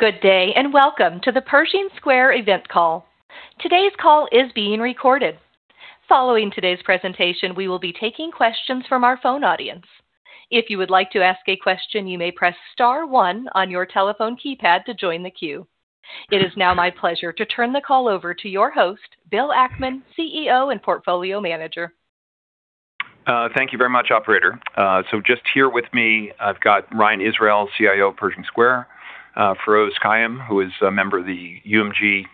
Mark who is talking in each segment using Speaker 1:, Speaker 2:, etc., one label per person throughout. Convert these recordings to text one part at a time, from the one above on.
Speaker 1: Good day, and welcome to the Pershing Square event call. Today's call is being recorded. Following today's presentation, we will be taking questions from our phone audience. If you would like to ask a question, you may press star one on your telephone keypad to join the queue. It is now my pleasure to turn the call over to your host, Bill Ackman, CEO and Portfolio Manager.
Speaker 2: Thank you very much, operator. Just here with me, I've got Ryan Israel, CIO of Pershing Square, Feroz Qayyum, who is a member of the UMG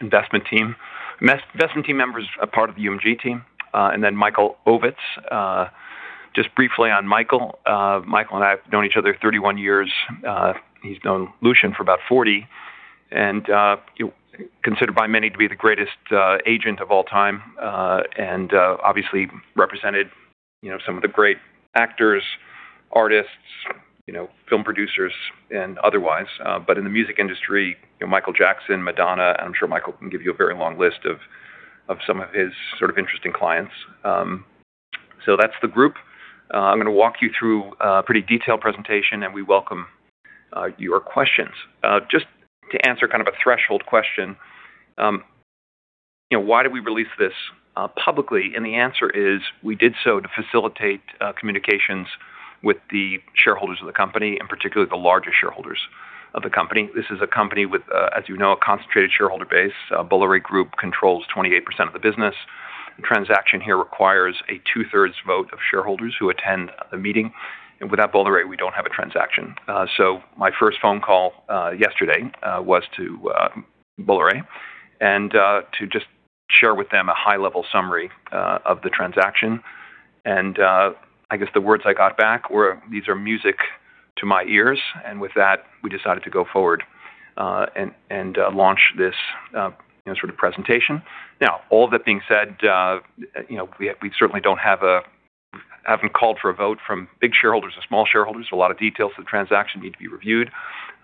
Speaker 2: investment team. Investment team member is a part of the UMG team, and then Michael Ovitz. Just briefly on Michael and I have known each other 31 years. He's known Lucian for about 40, and considered by many to be the greatest agent of all time, and obviously represented some of the great actors, artists, film producers, and otherwise. In the music industry, Michael Jackson, Madonna, and I'm sure Michael can give you a very long list of some of his interesting clients. That's the group. I'm going to walk you through a pretty detailed presentation, and we welcome your questions. Just to answer kind of a threshold question, why did we release this publicly? The answer is, we did so to facilitate communications with the shareholders of the company and particularly the larger shareholders of the company. This is a company with, as you know, a concentrated shareholder base. Bolloré Group controls 28% of the business. The transaction here requires a two-thirds vote of shareholders who attend the meeting. Without Bolloré, we don't have a transaction. My first phone call yesterday was to Bolloré, and to just share with them a high-level summary of the transaction. I guess the words I got back were, "These are music to my ears." With that, we decided to go forward, and launch this sort of presentation. Now, all that being said, we certainly haven't called for a vote from big shareholders or small shareholders. A lot of details of the transaction need to be reviewed.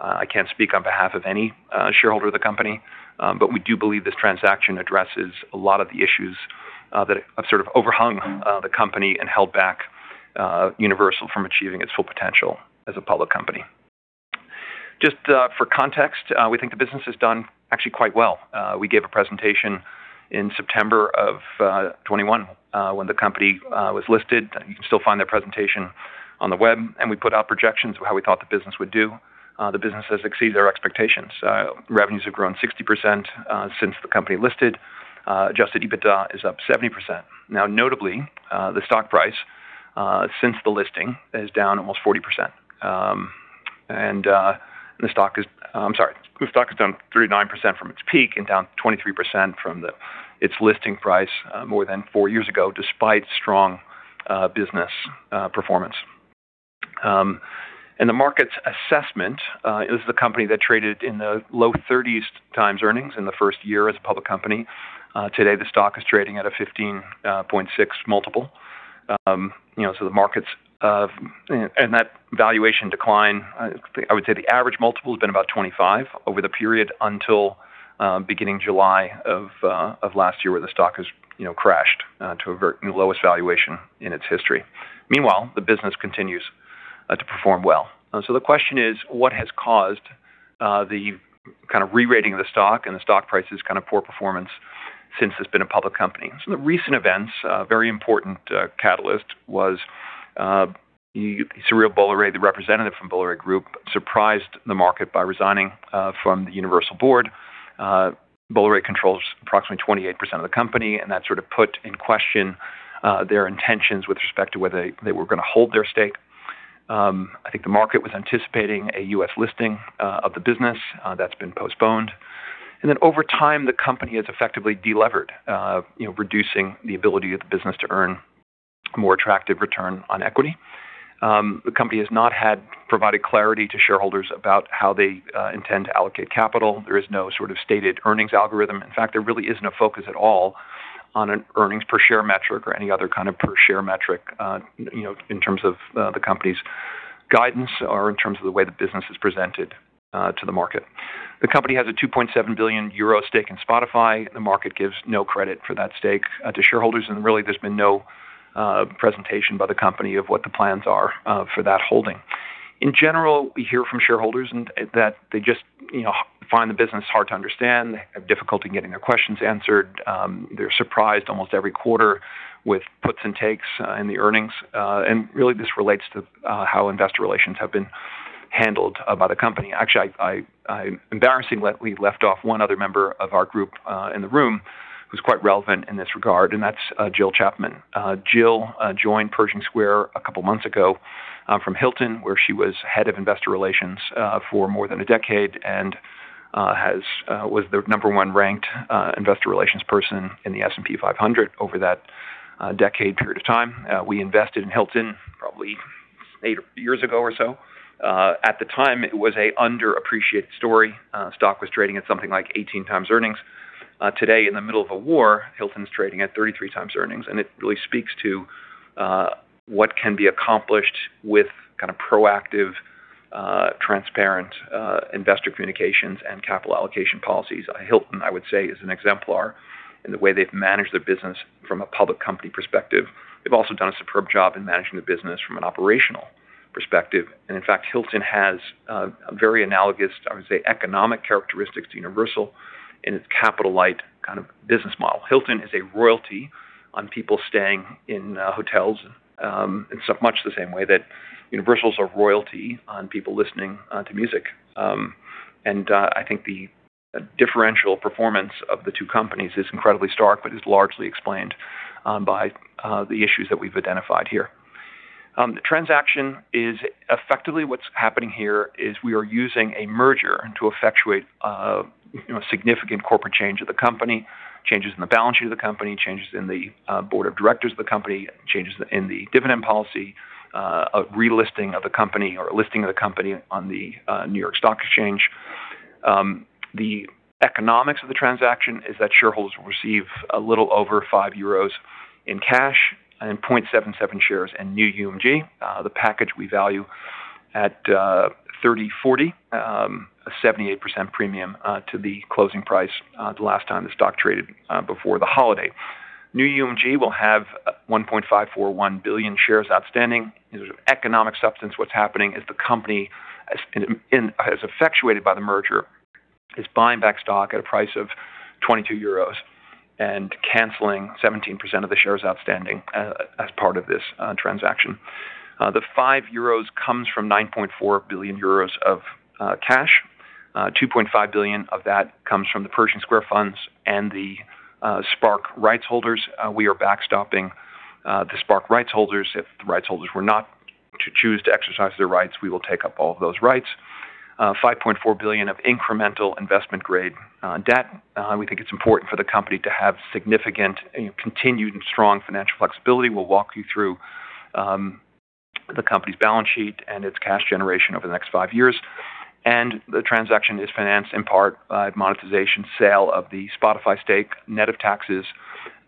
Speaker 2: I can't speak on behalf of any shareholder of the company. We do believe this transaction addresses a lot of the issues that have sort of overhung the company and held back Universal from achieving its full potential as a public company. Just for context, we think the business has done actually quite well. We gave a presentation in September of 2021, when the company was listed. You can still find that presentation on the web. We put out projections of how we thought the business would do. The business has exceeded our expectations. Revenues have grown 60% since the company listed. Adjusted EBITDA is up 70%. Now, notably, the stock price, since the listing, is down almost 40%. I'm sorry. The stock is down 39% from its peak and down 23% from its listing price more than four years ago, despite strong business performance. In the market's assessment, this was the company that traded in the low 30s x earnings in the first year as a public company. Today, the stock is trading at a 15.6x multiple. That valuation decline, I would say the average multiple has been about 25x over the period until beginning July of last year, where the stock has crashed to the lowest valuation in its history. Meanwhile, the business continues to perform well. The question is, what has caused the kind of re-rating of the stock and the stock price's kind of poor performance since it's been a public company? Some of the recent events, a very important catalyst was Cyrille Bolloré, the representative from Bolloré Group, surprised the market by resigning from the Universal board. Bolloré controls approximately 28% of the company, and that sort of put in question their intentions with respect to whether they were going to hold their stake. I think the market was anticipating a U.S. listing of the business. That's been postponed. Over time, the company has effectively de-levered, reducing the ability of the business to earn more attractive return on equity. The company has not provided clarity to shareholders about how they intend to allocate capital. There is no sort of stated earnings algorithm. In fact, there really isn't a focus at all on an earnings per share metric or any other kind of per share metric, in terms of the company's guidance or in terms of the way the business is presented to the market. The company has a 2.7 billion euro stake in Spotify. The market gives no credit for that stake to shareholders, and really, there's been no presentation by the company of what the plans are for that holding. In general, we hear from shareholders that they just find the business hard to understand. They have difficulty getting their questions answered. They're surprised almost every quarter with puts and takes in the earnings. Really, this relates to how investor relations have been handled by the company. Actually, embarrassingly, we left off one other member of our group in the room who's quite relevant in this regard, and that's Jill Chapman. Jill joined Pershing Square a couple of months ago from Hilton, where she was head of investor relations for more than a decade and was the number one ranked investor relations person in the S&P 500 over that decade period of time. We invested in Hilton probably eight years ago or so. At the time, it was an underappreciated story. Stock was trading at something like 18x earnings. Today, in the middle of a war, Hilton's trading at 33x earnings, and it really speaks to what can be accomplished with kind of proactive, transparent investor communications and capital allocation policies. Hilton, I would say, is an exemplar in the way they've managed their business from a public company perspective. They've also done a superb job in managing the business from an operational perspective. In fact, Hilton has a very analogous, I would say, economic characteristics to Universal in its capital light business model. Hilton is a royalty on people staying in hotels, in much the same way that Universal's a royalty on people listening to music. I think the differential performance of the two companies is incredibly stark, but is largely explained by the issues that we've identified here. The transaction is, effectively what's happening here is we are using a merger to effectuate a significant corporate change of the company, changes in the balance sheet of the company, changes in the board of directors of the company, changes in the dividend policy, a relisting of the company or a listing of the company on the New York Stock Exchange. The economics of the transaction is that shareholders will receive a little over 5 euros in cash and 0.77 shares in New UMG. The package we value at 30.40, a 78% premium to the closing price the last time the stock traded before the holiday. New UMG will have 1.541 billion shares outstanding. In terms of economic substance, what's happening is the company, as effectuated by the merger, is buying back stock at a price of 22 euros and canceling 17% of the shares outstanding as part of this transaction. The 5 euros comes from 9.4 billion euros of cash. 2.5 billion of that comes from the Pershing Square funds and the SPARC rights holders. We are backstopping the SPARC rights holders. If the rights holders were not to choose to exercise their rights, we will take up all of those rights. 5.4 billion of incremental investment-grade debt. We think it's important for the company to have significant continued and strong financial flexibility. We'll walk you through the company's balance sheet and its cash generation over the next five years. The transaction is financed in part by monetization sale of the Spotify stake, net of taxes,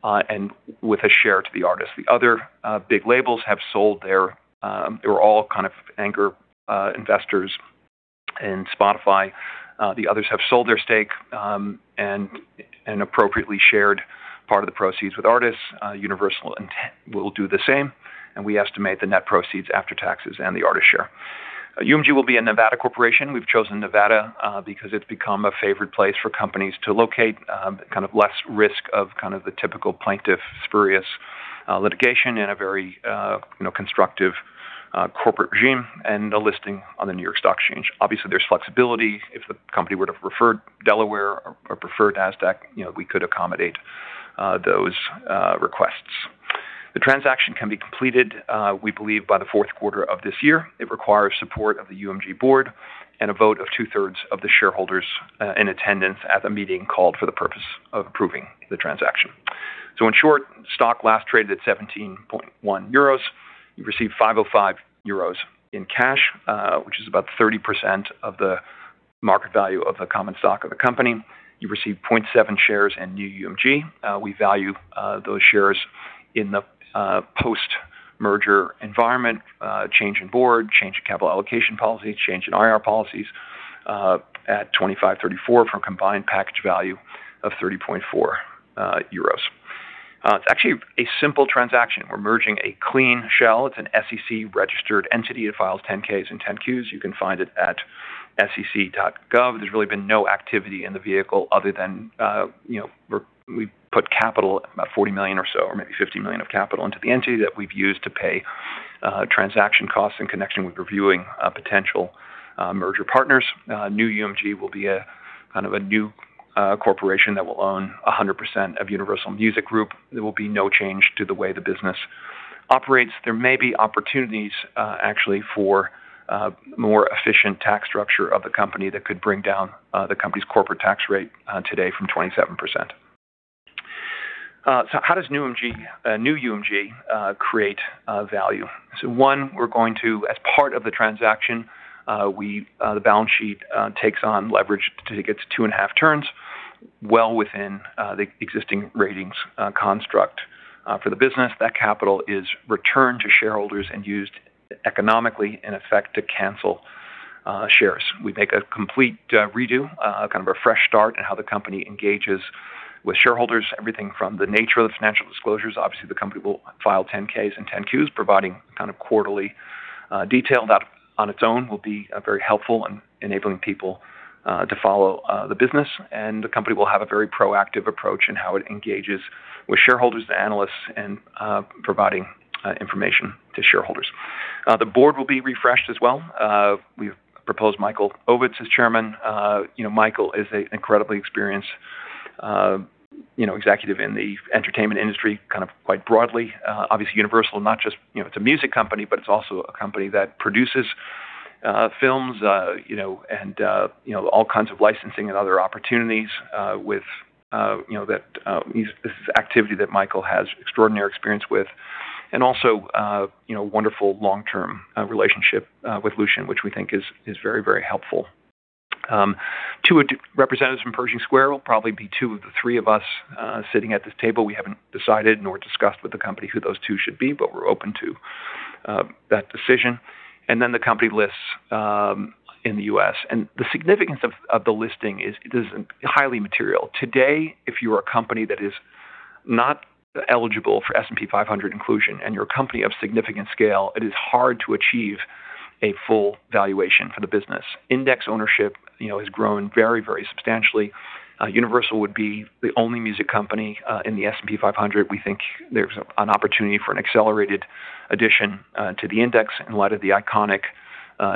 Speaker 2: and with a share to the artist. The other big labels have sold their stake. They were all anchor investors in Spotify. The others have sold their stake, and appropriately shared part of the proceeds with artists. Universal will do the same, and we estimate the net proceeds after taxes and the artist share. UMG will be a Nevada corporation. We've chosen Nevada because it's become a favorite place for companies to locate. Less risk of the typical plaintiff spurious litigation and a very constructive corporate regime, and a listing on the New York Stock Exchange. Obviously, there's flexibility. If the company were to prefer Delaware or prefer Nasdaq, we could accommodate those requests. The transaction can be completed, we believe, by the fourth quarter of this year. It requires support of the UMG board and a vote of two-thirds of the shareholders in attendance at the meeting called for the purpose of approving the transaction. In short, stock last traded at 17.1 euros. You receive 505 euros in cash, which is about 30% of the market value of the common stock of the company. You receive 0.7 shares in New UMG. We value those shares in the post-merger environment, change in board, change in capital allocation policy, change in IR policies, at 25.34 for a combined package value of 30.4 euros. It's actually a simple transaction. We're merging a clean shell. It's an SEC-registered entity. It files 10-Ks and 10-Qs. You can find it at sec.gov. There's really been no activity in the vehicle other than we've put capital, about 40 million or so, or maybe 50 million of capital into the entity that we've used to pay transaction costs in connection with reviewing potential merger partners. New UMG will be a new corporation that will own 100% of Universal Music Group. There will be no change to the way the business operates. There may be opportunities, actually, for more efficient tax structure of the company that could bring down the company's corporate tax rate today from 27%. How does New UMG create value? One, we're going to, as part of the transaction, the balance sheet takes on leverage. It gets 2.5 turns, well within the existing ratings construct. For the business, that capital is returned to shareholders and used economically, in effect, to cancel shares. We make a complete redo, a refresh start in how the company engages with shareholders, everything from the nature of the financial disclosures. Obviously, the company will file 10-Ks and 10-Qs, providing quarterly detail. That, on its own, will be very helpful in enabling people to follow the business. The company will have a very proactive approach in how it engages with shareholders and analysts and providing information to shareholders. The board will be refreshed as well. We've proposed Michael Ovitz as Chairman. Michael is an incredibly experienced executive in the entertainment industry, quite broadly. Obviously, Universal, it's a music company, but it's also a company that produces films and all kinds of licensing and other opportunities with this activity that Michael has extraordinary experience with. Also, a wonderful long-term relationship with Lucian, which we think is very, very helpful. Two representatives from Pershing Square. It'll probably be two of the three of us sitting at this table. We haven't decided nor discussed with the company who those two should be, but we're open to that decision. The company lists in the U.S. The significance of the listing is highly material. Today, if you're a company that is not eligible for S&P 500 inclusion and you're a company of significant scale, it is hard to achieve a full valuation for the business. Index ownership has grown very, very substantially. Universal would be the only music company in the S&P 500. We think there's an opportunity for an accelerated addition to the index in light of the iconic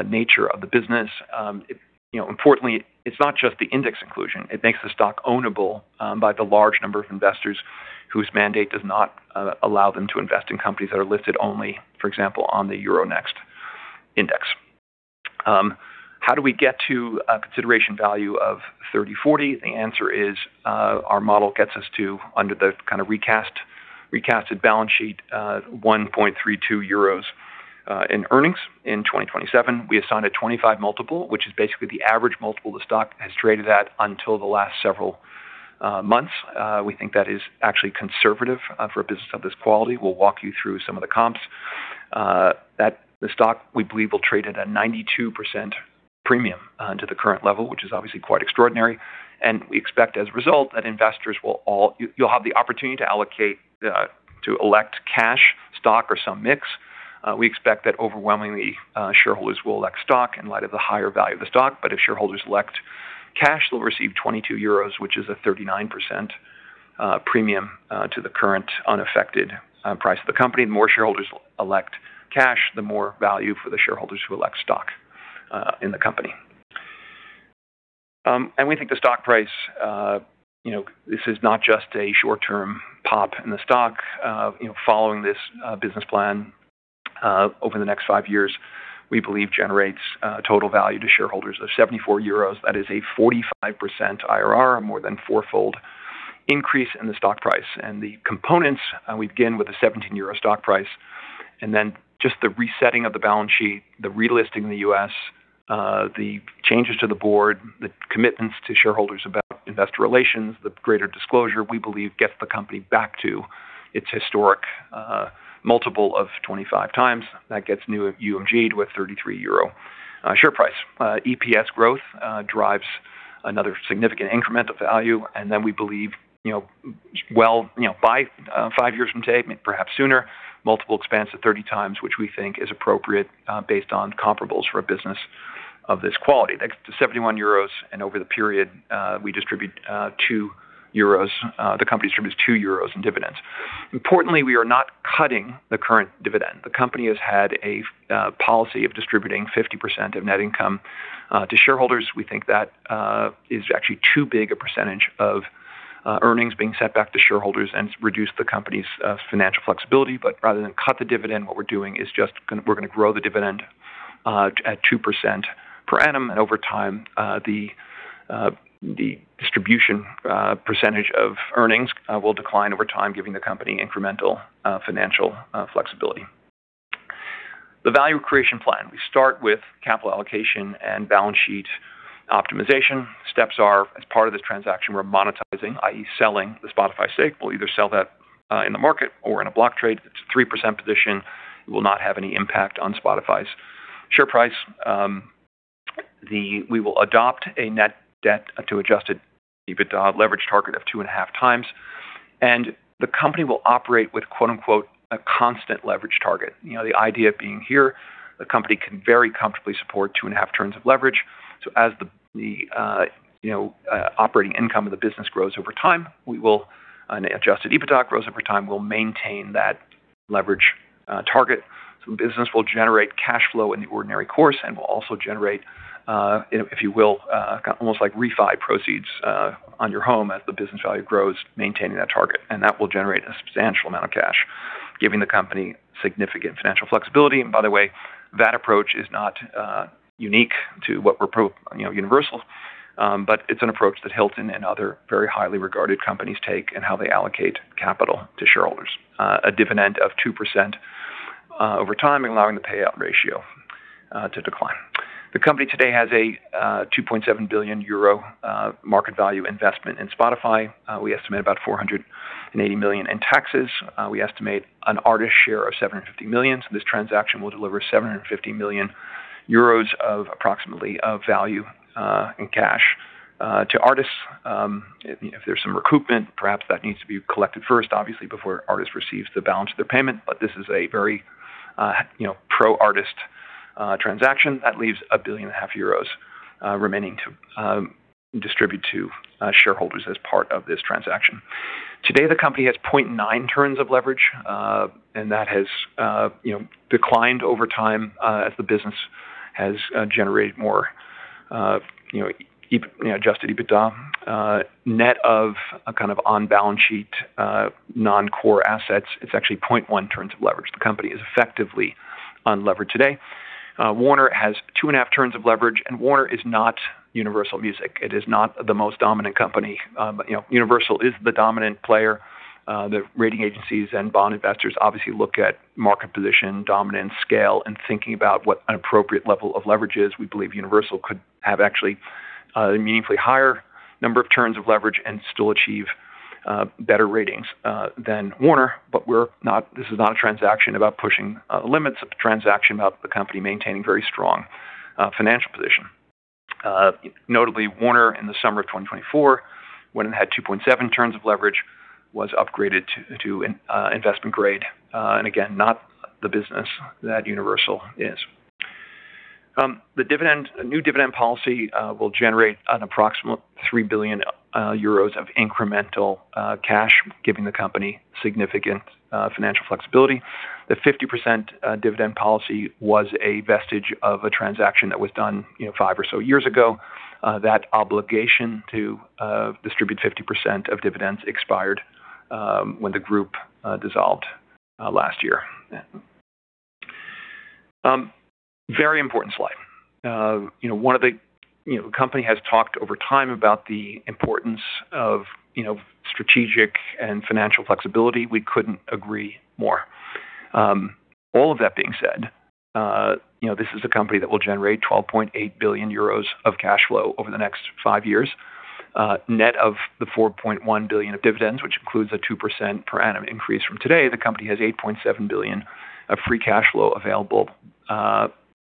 Speaker 2: nature of the business. Importantly, it's not just the index inclusion. It makes the stock ownable by the large number of investors whose mandate does not allow them to invest in companies that are listed only, for example, on the Euronext index. How do we get to a consideration value of 30/40? The answer is, our model gets us to, under the kind of recast balance sheet, 1.32 euros in earnings in 2027. We assigned a 25x multiple, which is basically the average multiple the stock has traded at until the last several months. We think that is actually conservative for a business of this quality. We'll walk you through some of the comps. The stock, we believe, will trade at a 92% premium to the current level, which is obviously quite extraordinary, and we expect as a result that investors will. You'll have the opportunity to elect cash, stock, or some mix. We expect that overwhelmingly, shareholders will elect stock in light of the higher value of the stock, but if shareholders elect cash, they'll receive 22 euros, which is a 39% premium to the current unaffected price of the company. The more shareholders elect cash, the more value for the shareholders who elect stock in the company. We think the stock price, this is not just a short-term pop in the stock. Following this business plan over the next five years, we believe generates total value to shareholders of 74 euros. That is a 45% IRR, a more than fourfold increase in the stock price. The components, we begin with a 17 euro stock price, and then just the resetting of the balance sheet, the relisting in the U.S., the changes to the board, the commitments to shareholders about investor relations, the greater disclosure, we believe, gets the company back to its historic multiple of 25x. That gets UMG to a 33 euro share price. EPS growth drives another significant increment of value, and then we believe by five years from today, perhaps sooner, multiple expands to 30x, which we think is appropriate based on comparables for a business of this quality. That's 71 euros, and over the period, the company distributes 2 euros in dividends. Importantly, we are not cutting the current dividend. The company has had a policy of distributing 50% of net income to shareholders. We think that is actually too big a percentage of earnings being sent back to shareholders and reduce the company's financial flexibility. Rather than cut the dividend, what we're doing is just we're going to grow the dividend at 2% per annum. Over time, the distribution percentage of earnings will decline over time, giving the company incremental financial flexibility. The value creation plan. We start with capital allocation and balance sheet optimization. Steps are, as part of this transaction, we're monetizing, i.e. selling the Spotify stake. We'll either sell that in the market or in a block trade. It's a 3% position. It will not have any impact on Spotify's share price. We will adopt a net debt to Adjusted EBITDA leverage target of 2.5x, and the company will operate with quote unquote, "a constant leverage target." The idea being here, the company can very comfortably support 2.5 turns of leverage. As the operating income of the business grows over time, and Adjusted EBITDA grows over time, we'll maintain that leverage target. The business will generate cash flow in the ordinary course and will also generate, if you will, almost like refi proceeds on your home as the business value grows, maintaining that target. That will generate a substantial amount of cash, giving the company significant financial flexibility. By the way, that approach is not unique to Universal, but it's an approach that Hilton and other very highly regarded companies take in how they allocate capital to shareholders. A dividend of 2% over time, allowing the payout ratio to decline. The company today has a 2.7 billion euro market value investment in Spotify. We estimate about 480 million in taxes. We estimate an artist share of 750 million. This transaction will deliver 750 million euros approximately of value in cash to artists. If there's some recoupment, perhaps that needs to be collected first, obviously, before artist receives the balance of their payment. This is a very pro-artist transaction. That leaves 1.5 billion remaining to distribute to shareholders as part of this transaction. Today, the company has 0.9 turns of leverage, and that has declined over time as the business has generated more Adjusted EBITDA. Net of a kind of on-balance sheet non-core assets, it's actually 0.1 turns of leverage. The company is effectively unlevered today. Warner has 2.5 turns of leverage, and Warner is not Universal Music. It is not the most dominant company. Universal is the dominant player. The rating agencies and bond investors obviously look at market position, dominance, scale, and thinking about what an appropriate level of leverage is. We believe Universal could have actually a meaningfully higher number of turns of leverage and still achieve better ratings than Warner. This is not a transaction about pushing limits. It's a transaction about the company maintaining very strong financial position. Notably, Warner, in the summer of 2024, when it had 2.7 turns of leverage, was upgraded to investment grade. Again, not the business that Universal is. The new dividend policy will generate an approximate 3 billion euros of incremental cash, giving the company significant financial flexibility. The 50% dividend policy was a vestige of a transaction that was done five or so years ago. That obligation to distribute 50% of dividends expired when the group dissolved last year. Very important slide. The company has talked over time about the importance of strategic and financial flexibility. We couldn't agree more. All of that being said, this is a company that will generate 12.8 billion euros of cash flow over the next five years, net of the 4.1 billion of dividends, which includes a 2% per annum increase from today. The company has 8.7 billion of free cash flow available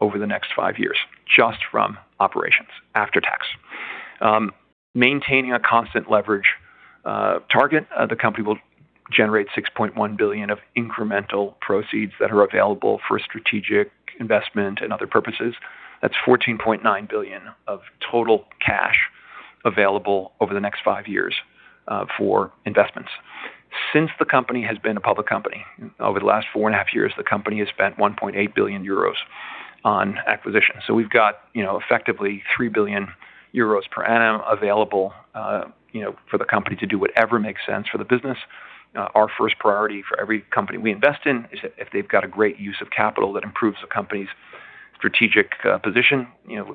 Speaker 2: over the next five years, just from operations, after tax. Maintaining a constant leverage target, the company will generate 6.1 billion of incremental proceeds that are available for strategic investment and other purposes. That's 14.9 billion of total cash available over the next five years for investments. Since the company has been a public company, over the last 4.5 years, the company has spent 1.8 billion euros on acquisitions. We've got effectively 3 billion euros per annum available for the company to do whatever makes sense for the business. Our first priority for every company we invest in is if they've got a great use of capital that improves the company's strategic position,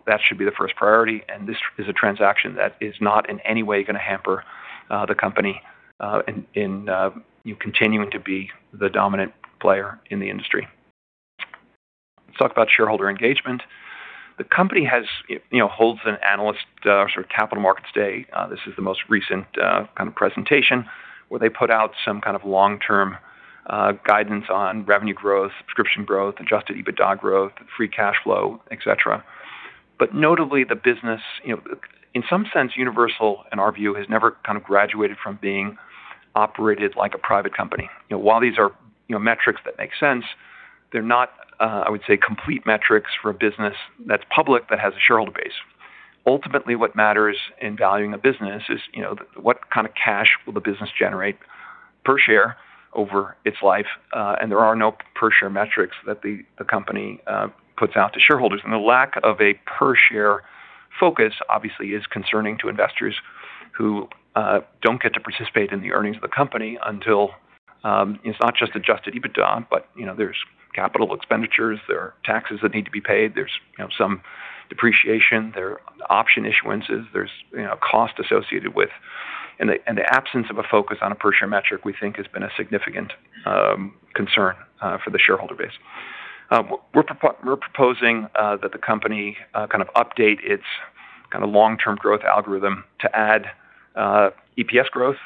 Speaker 2: that should be the first priority, and this is a transaction that is not in any way going to hamper the company in continuing to be the dominant player in the industry. Let's talk about shareholder engagement. The company holds an analyst capital markets day. This is the most recent presentation where they put out some kind of long-term guidance on revenue growth, subscription growth, Adjusted EBITDA growth, free cash flow, et cetera. Notably, the business, in some sense, Universal, in our view, has never graduated from being operated like a private company. While these are metrics that make sense, they're not, I would say, complete metrics for a business that's public that has a shareholder base. Ultimately, what matters in valuing a business is what kind of cash will the business generate per share over its life, and there are no per-share metrics that the company puts out to shareholders. The lack of a per-share focus, obviously, is concerning to investors who don't get to participate in the earnings of the company until it's not just adjusted EBITDA, but there's capital expenditures, there are taxes that need to be paid, there's some depreciation, there are option issuances, there's cost associated with. The absence of a focus on a per-share metric, we think, has been a significant concern for the shareholder base. We're proposing that the company update its long-term growth algorithm to add EPS growth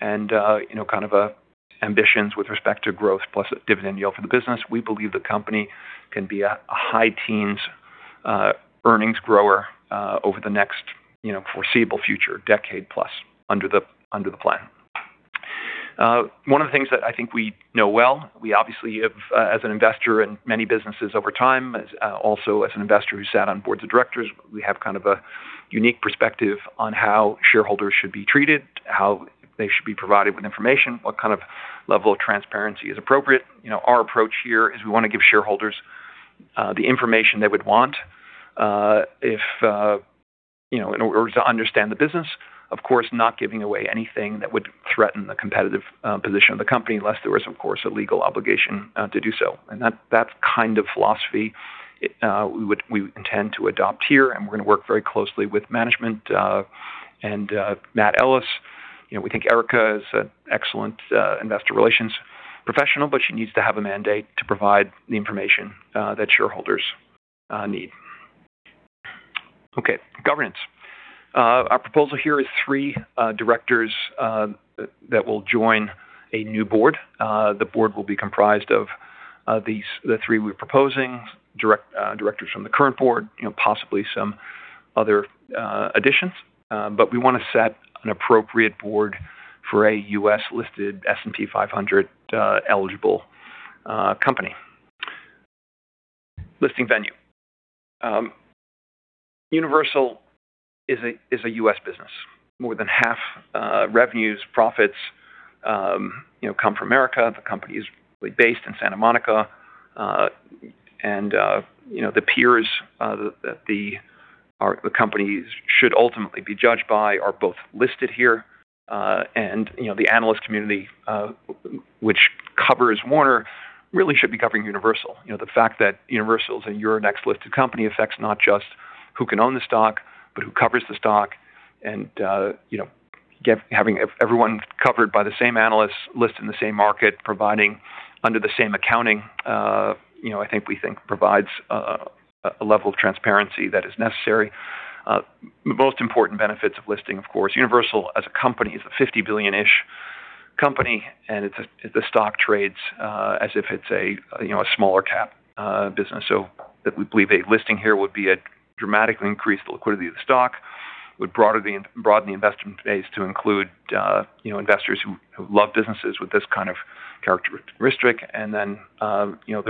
Speaker 2: and ambitions with respect to growth plus dividend yield for the business. We believe the company can be a high teens earnings grower over the next foreseeable future, decade plus, under the plan. One of the things that I think we know well, we obviously have, as an investor in many businesses over time, also as an investor who sat on boards of directors, we have a unique perspective on how shareholders should be treated, how they should be provided with information, what kind of level of transparency is appropriate. Our approach here is we want to give shareholders the information they would want in order to understand the business. Of course, not giving away anything that would threaten the competitive position of the company, unless there was, of course, a legal obligation to do so. That's kind of philosophy we intend to adopt here, and we're going to work very closely with management and Matt Ellis. We think Erica is an excellent investor relations professional, but she needs to have a mandate to provide the information that shareholders need. Okay. Governance. Our proposal here is three directors that will join a new board. The board will be comprised of the three we're proposing, directors from the current board, possibly some other additions. We want to set an appropriate board for a U.S.-listed S&P 500-eligible company. Listing venue. Universal is a U.S. business. More than half of revenues, profits come from America. The company is based in Santa Monica. The peers that the companies should ultimately be judged by are both listed here. The analyst community, which covers Warner, really should be covering Universal. The fact that Universal is a Euronext-listed company affects not just who can own the stock, but who covers the stock. Having everyone covered by the same analysts, listed in the same market, providing under the same accounting, we think provides a level of transparency that is necessary. Most important benefits of listing, of course, Universal as a company is a 50 billion-ish company, and the stock trades as if it's a smaller cap business. We believe a listing here would be a dramatic increase to the liquidity of the stock, would broaden the investment base to include investors who love businesses with this kind of characteristic. There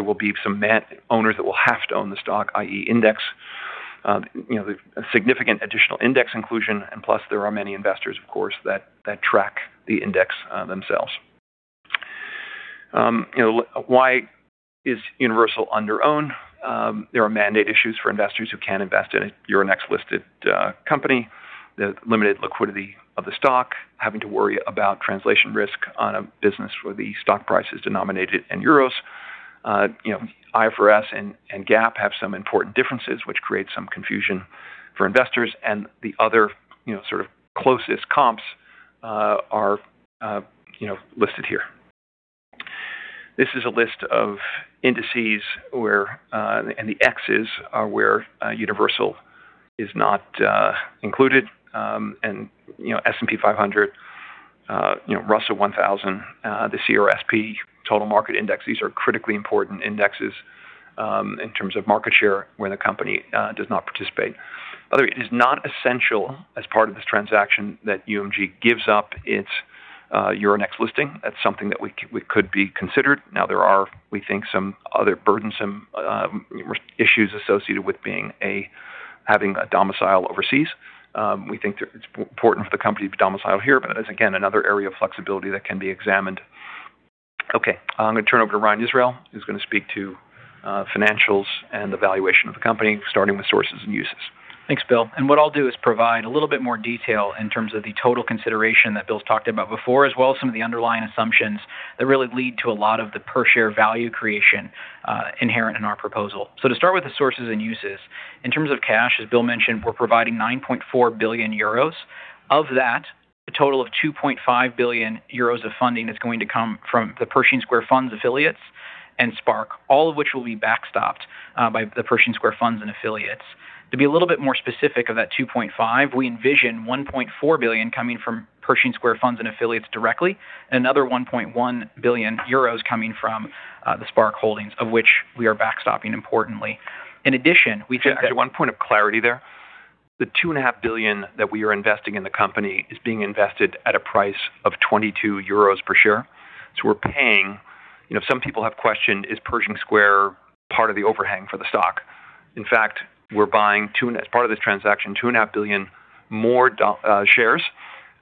Speaker 2: will be some owners that will have to own the stock, i.e., index. A significant additional index inclusion, and plus there are many investors, of course, that track the index themselves. Why is Universal underowned? There are mandate issues for investors who cannot invest in a Euronext-listed company, the limited liquidity of the stock, having to worry about translation risk on a business where the stock price is denominated in euros. IFRS and GAAP have some important differences, which creates some confusion for investors, and the other sort of closest comps are listed here. This is a list of indices, and the Xs are where Universal is not included. S&P 500, Russell 1000, the CRSP U.S. Total Market Index, these are critically important indexes in terms of market share where the company does not participate. By the way, it is not essential as part of this transaction that UMG gives up its Euronext listing. That's something that could be considered. Now there are, we think, some other burdensome issues associated with having a domicile overseas. We think that it's important for the company to be domiciled here, but that is, again, another area of flexibility that can be examined. Okay. I'm going to turn over to Ryan Israel, who's going to speak to financials and the valuation of the company, starting with sources and uses.
Speaker 3: Thanks, Bill. What I'll do is provide a little bit more detail in terms of the total consideration that Bill's talked about before, as well as some of the underlying assumptions that really lead to a lot of the per-share value creation inherent in our proposal. To start with the sources and uses, in terms of cash, as Bill mentioned, we're providing 9.4 billion euros. Of that, a total of 2.5 billion euros of funding is going to come from the Pershing Square funds affiliates and SPARC, all of which will be backstopped by the Pershing Square funds and affiliates. To be a little bit more specific of that 2.5 billion, we envision 1.4 billion coming from Pershing Square funds and affiliates directly, and another 1.1 billion euros coming from the SPARC holdings, of which we are backstopping importantly. In addition, we think that.
Speaker 2: One point of clarity there. The 2.5 billion that we are investing in the company is being invested at a price of 22 euros per share. We're paying. Some people have questioned, is Pershing Square part of the overhang for the stock? In fact, we're buying, as part of this transaction, 2.5 billion more shares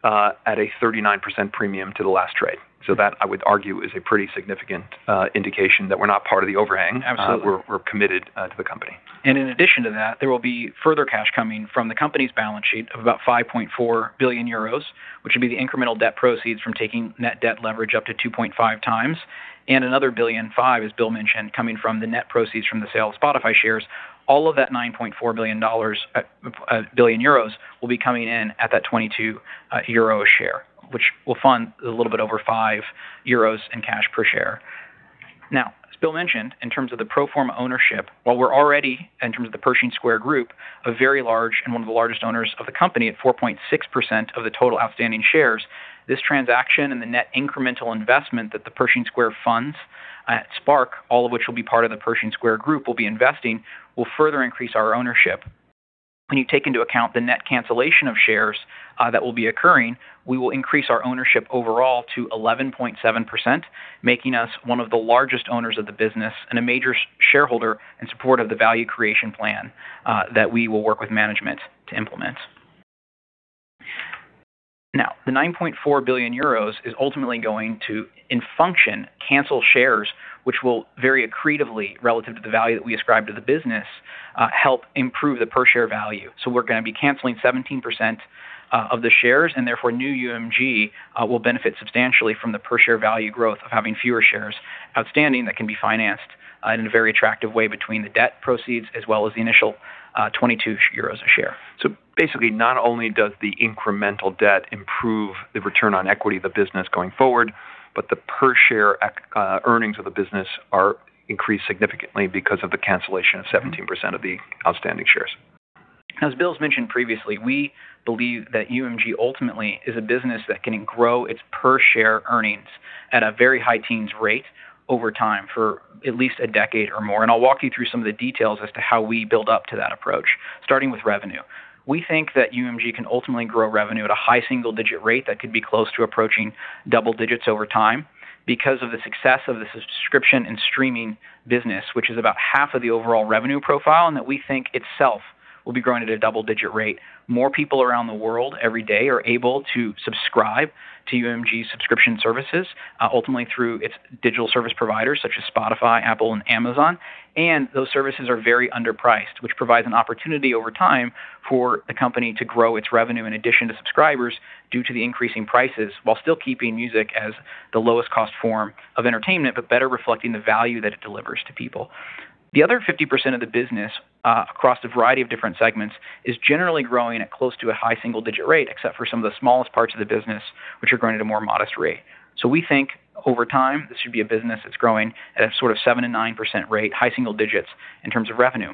Speaker 2: at a 39% premium to the last trade. That, I would argue, is a pretty significant indication that we're not part of the overhang.
Speaker 3: Absolutely.
Speaker 2: We're committed to the company.
Speaker 3: In addition to that, there will be further cash coming from the company's balance sheet of about 5.4 billion euros, which would be the incremental debt proceeds from taking net debt leverage up to 2.5x, and another 1.5 billion, as Bill mentioned, coming from the net proceeds from the sale of Spotify shares. All of that EUR 9.4 billion will be coming in at that 22 euro a share, which will fund a little bit over 5 euros in cash per share. Now, as Bill mentioned, in terms of the pro forma ownership, while we're already, in terms of the Pershing Square group, a very large and one of the largest owners of the company at 4.6% of the total outstanding shares, this transaction and the net incremental investment that the Pershing Square funds at SPARC, all of which will be part of the Pershing Square group, will be investing, will further increase our ownership. When you take into account the net cancellation of shares that will be occurring, we will increase our ownership overall to 11.7%, making us one of the largest owners of the business and a major shareholder in support of the value creation plan that we will work with management to implement. Now, the 9.4 billion euros is ultimately going to, in function, cancel shares, which will very accretively, relative to the value that we ascribe to the business, help improve the per-share value. We're going to be canceling 17% of the shares, and therefore New UMG will benefit substantially from the per-share value growth of having fewer shares outstanding that can be financed in a very attractive way between the debt proceeds as well as the initial 22 euros a share.
Speaker 2: Basically, not only does the incremental debt improve the return on equity of the business going forward, but the per-share earnings of the business are increased significantly because of the cancellation of 17% of the outstanding shares.
Speaker 3: As Bill's mentioned previously, we believe that UMG ultimately is a business that can grow its per-share earnings at a very high teens rate over time for at least a decade or more. I'll walk you through some of the details as to how we build up to that approach, starting with revenue. We think that UMG can ultimately grow revenue at a high single-digit rate that could be close to approaching double digits over time because of the success of the subscription and streaming business, which is about half of the overall revenue profile, and that we think itself will be growing at a double-digit rate. More people around the world every day are able to subscribe to UMG's subscription services, ultimately through its digital service providers such as Spotify, Apple, and Amazon. Those services are very underpriced, which provides an opportunity over time for the company to grow its revenue in addition to subscribers due to the increasing prices, while still keeping music as the lowest cost form of entertainment, but better reflecting the value that it delivers to people. The other 50% of the business across a variety of different segments is generally growing at close to a high single-digit rate, except for some of the smallest parts of the business, which are growing at a more modest rate. We think over time, this should be a business that's growing at a sort of 7%-9% rate, high single digits in terms of revenue.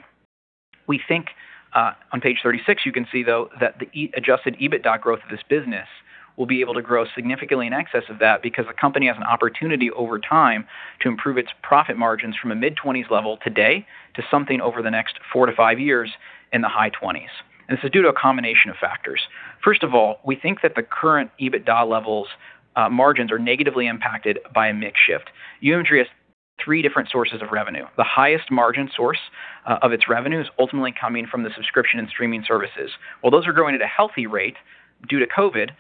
Speaker 3: We think on page 36, you can see, though, that the Adjusted EBITDA growth of this business will be able to grow significantly in excess of that because the company has an opportunity over time to improve its profit margins from a mid-20s% level today to something over the next four to five years in the high 20s%. This is due to a combination of factors. First of all, we think that the current EBITDA levels margins are negatively impacted by a mix shift. UMG has three different sources of revenue. The highest margin source of its revenue is ultimately coming from the subscription and streaming services. While those are growing at a healthy rate due to COVID,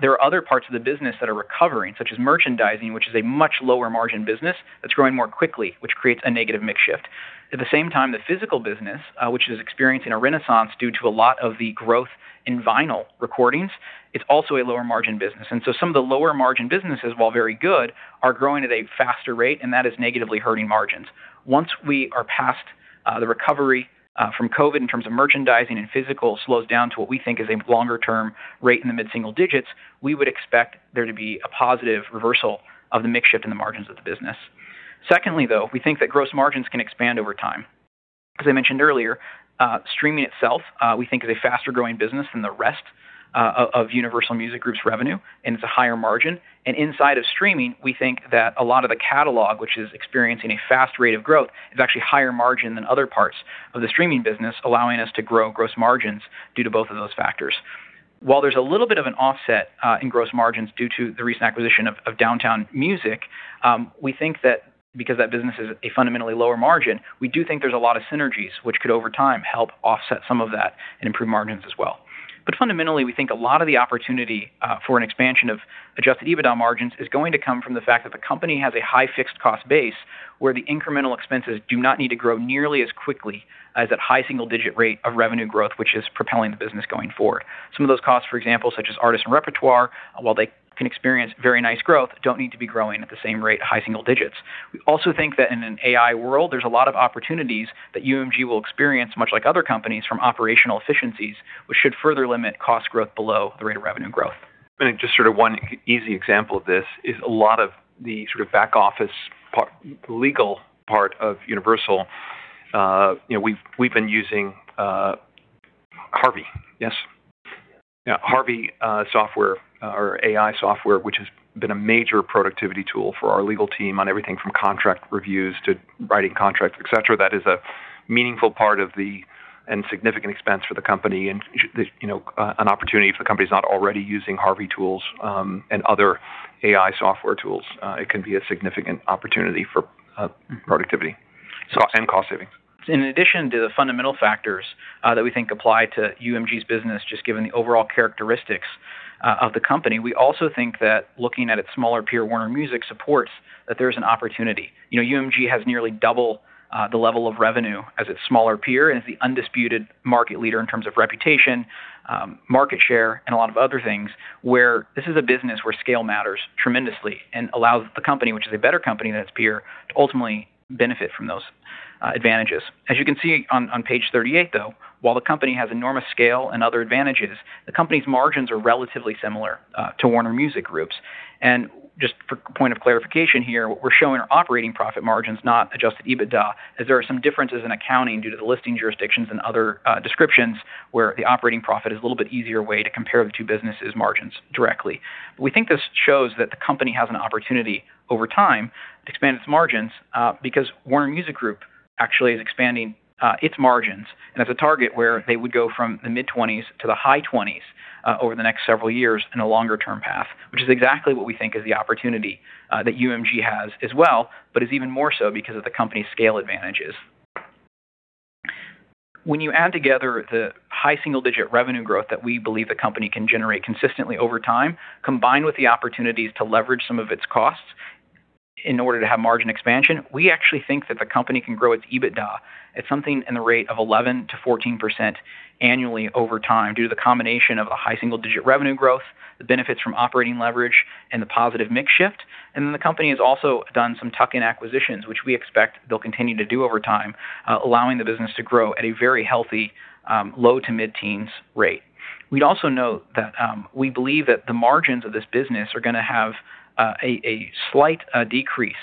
Speaker 3: there are other parts of the business that are recovering, such as merchandising, which is a much lower margin business that's growing more quickly, which creates a negative mix shift. At the same time, the physical business, which is experiencing a renaissance due to a lot of the growth in vinyl recordings, it's also a lower margin business. Some of the lower margin businesses, while very good, are growing at a faster rate, and that is negatively hurting margins. Once we are past the recovery from COVID in terms of merchandising and physical slows down to what we think is a longer-term rate in the mid-single digits, we would expect there to be a positive reversal of the mix shift in the margins of the business. Secondly, though, we think that gross margins can expand over time. As I mentioned earlier, streaming itself, we think, is a faster-growing business than the rest of Universal Music Group's revenue, and it's a higher margin. Inside of streaming, we think that a lot of the catalog, which is experiencing a fast rate of growth, is actually higher margin than other parts of the streaming business, allowing us to grow gross margins due to both of those factors. While there's a little bit of an offset in gross margins due to the recent acquisition of Downtown Music, we think that because that business is a fundamentally lower margin, we do think there's a lot of synergies which could, over time, help offset some of that and improve margins as well. Fundamentally, we think a lot of the opportunity for an expansion of Adjusted EBITDA margins is going to come from the fact that the company has a high fixed cost base where the incremental expenses do not need to grow nearly as quickly as that high single-digit rate of revenue growth, which is propelling the business going forward. Some of those costs, for example, such as Artists and Repertoire, while they can experience very nice growth, don't need to be growing at the same rate, high single digits. We also think that in an AI world, there's a lot of opportunities that UMG will experience, much like other companies, from operational efficiencies, which should further limit cost growth below the rate of revenue growth.
Speaker 2: Just sort of one easy example of this is a lot of the sort of back office legal part of Universal. We've been using Harvey. Yes. Yeah, Harvey software or AI software, which has been a major productivity tool for our legal team on everything from contract reviews to writing contracts, et cetera. That is a meaningful part of the and significant expense for the company and an opportunity if the company is not already using Harvey tools and other AI software tools. It can be a significant opportunity for productivity and cost savings.
Speaker 3: In addition to the fundamental factors that we think apply to UMG's business, just given the overall characteristics of the company, we also think that looking at its smaller peer, Warner Music Group, supports that there's an opportunity. UMG has nearly double the level of revenue as its smaller peer and is the undisputed market leader in terms of reputation, market share, and a lot of other things where this is a business where scale matters tremendously and allows the company, which is a better company than its peer, to ultimately benefit from those advantages. As you can see on page 38, though, while the company has enormous scale and other advantages, the company's margins are relatively similar to Warner Music Group's. Just for point of clarification here, what we're showing are operating profit margins, not Adjusted EBITDA, as there are some differences in accounting due to the listing jurisdictions and other descriptions where the operating profit is a little bit easier way to compare the two businesses' margins directly. We think this shows that the company has an opportunity over time to expand its margins because Warner Music Group actually is expanding its margins and has a target where they would go from the mid-20s% to the high 20s% over the next several years in a longer-term path, which is exactly what we think is the opportunity that UMG has as well, but is even more so because of the company's scale advantages. When you add together the high single-digit revenue growth that we believe the company can generate consistently over time, combined with the opportunities to leverage some of its costs in order to have margin expansion, we actually think that the company can grow its EBITDA at something in the rate of 11%-14% annually over time due to the combination of a high single-digit revenue growth, the benefits from operating leverage, and the positive mix shift. The company has also done some tuck-in acquisitions, which we expect they'll continue to do over time, allowing the business to grow at a very healthy low to mid-teens rate. We'd also note that we believe that the margins of this business are going to have a slight decrease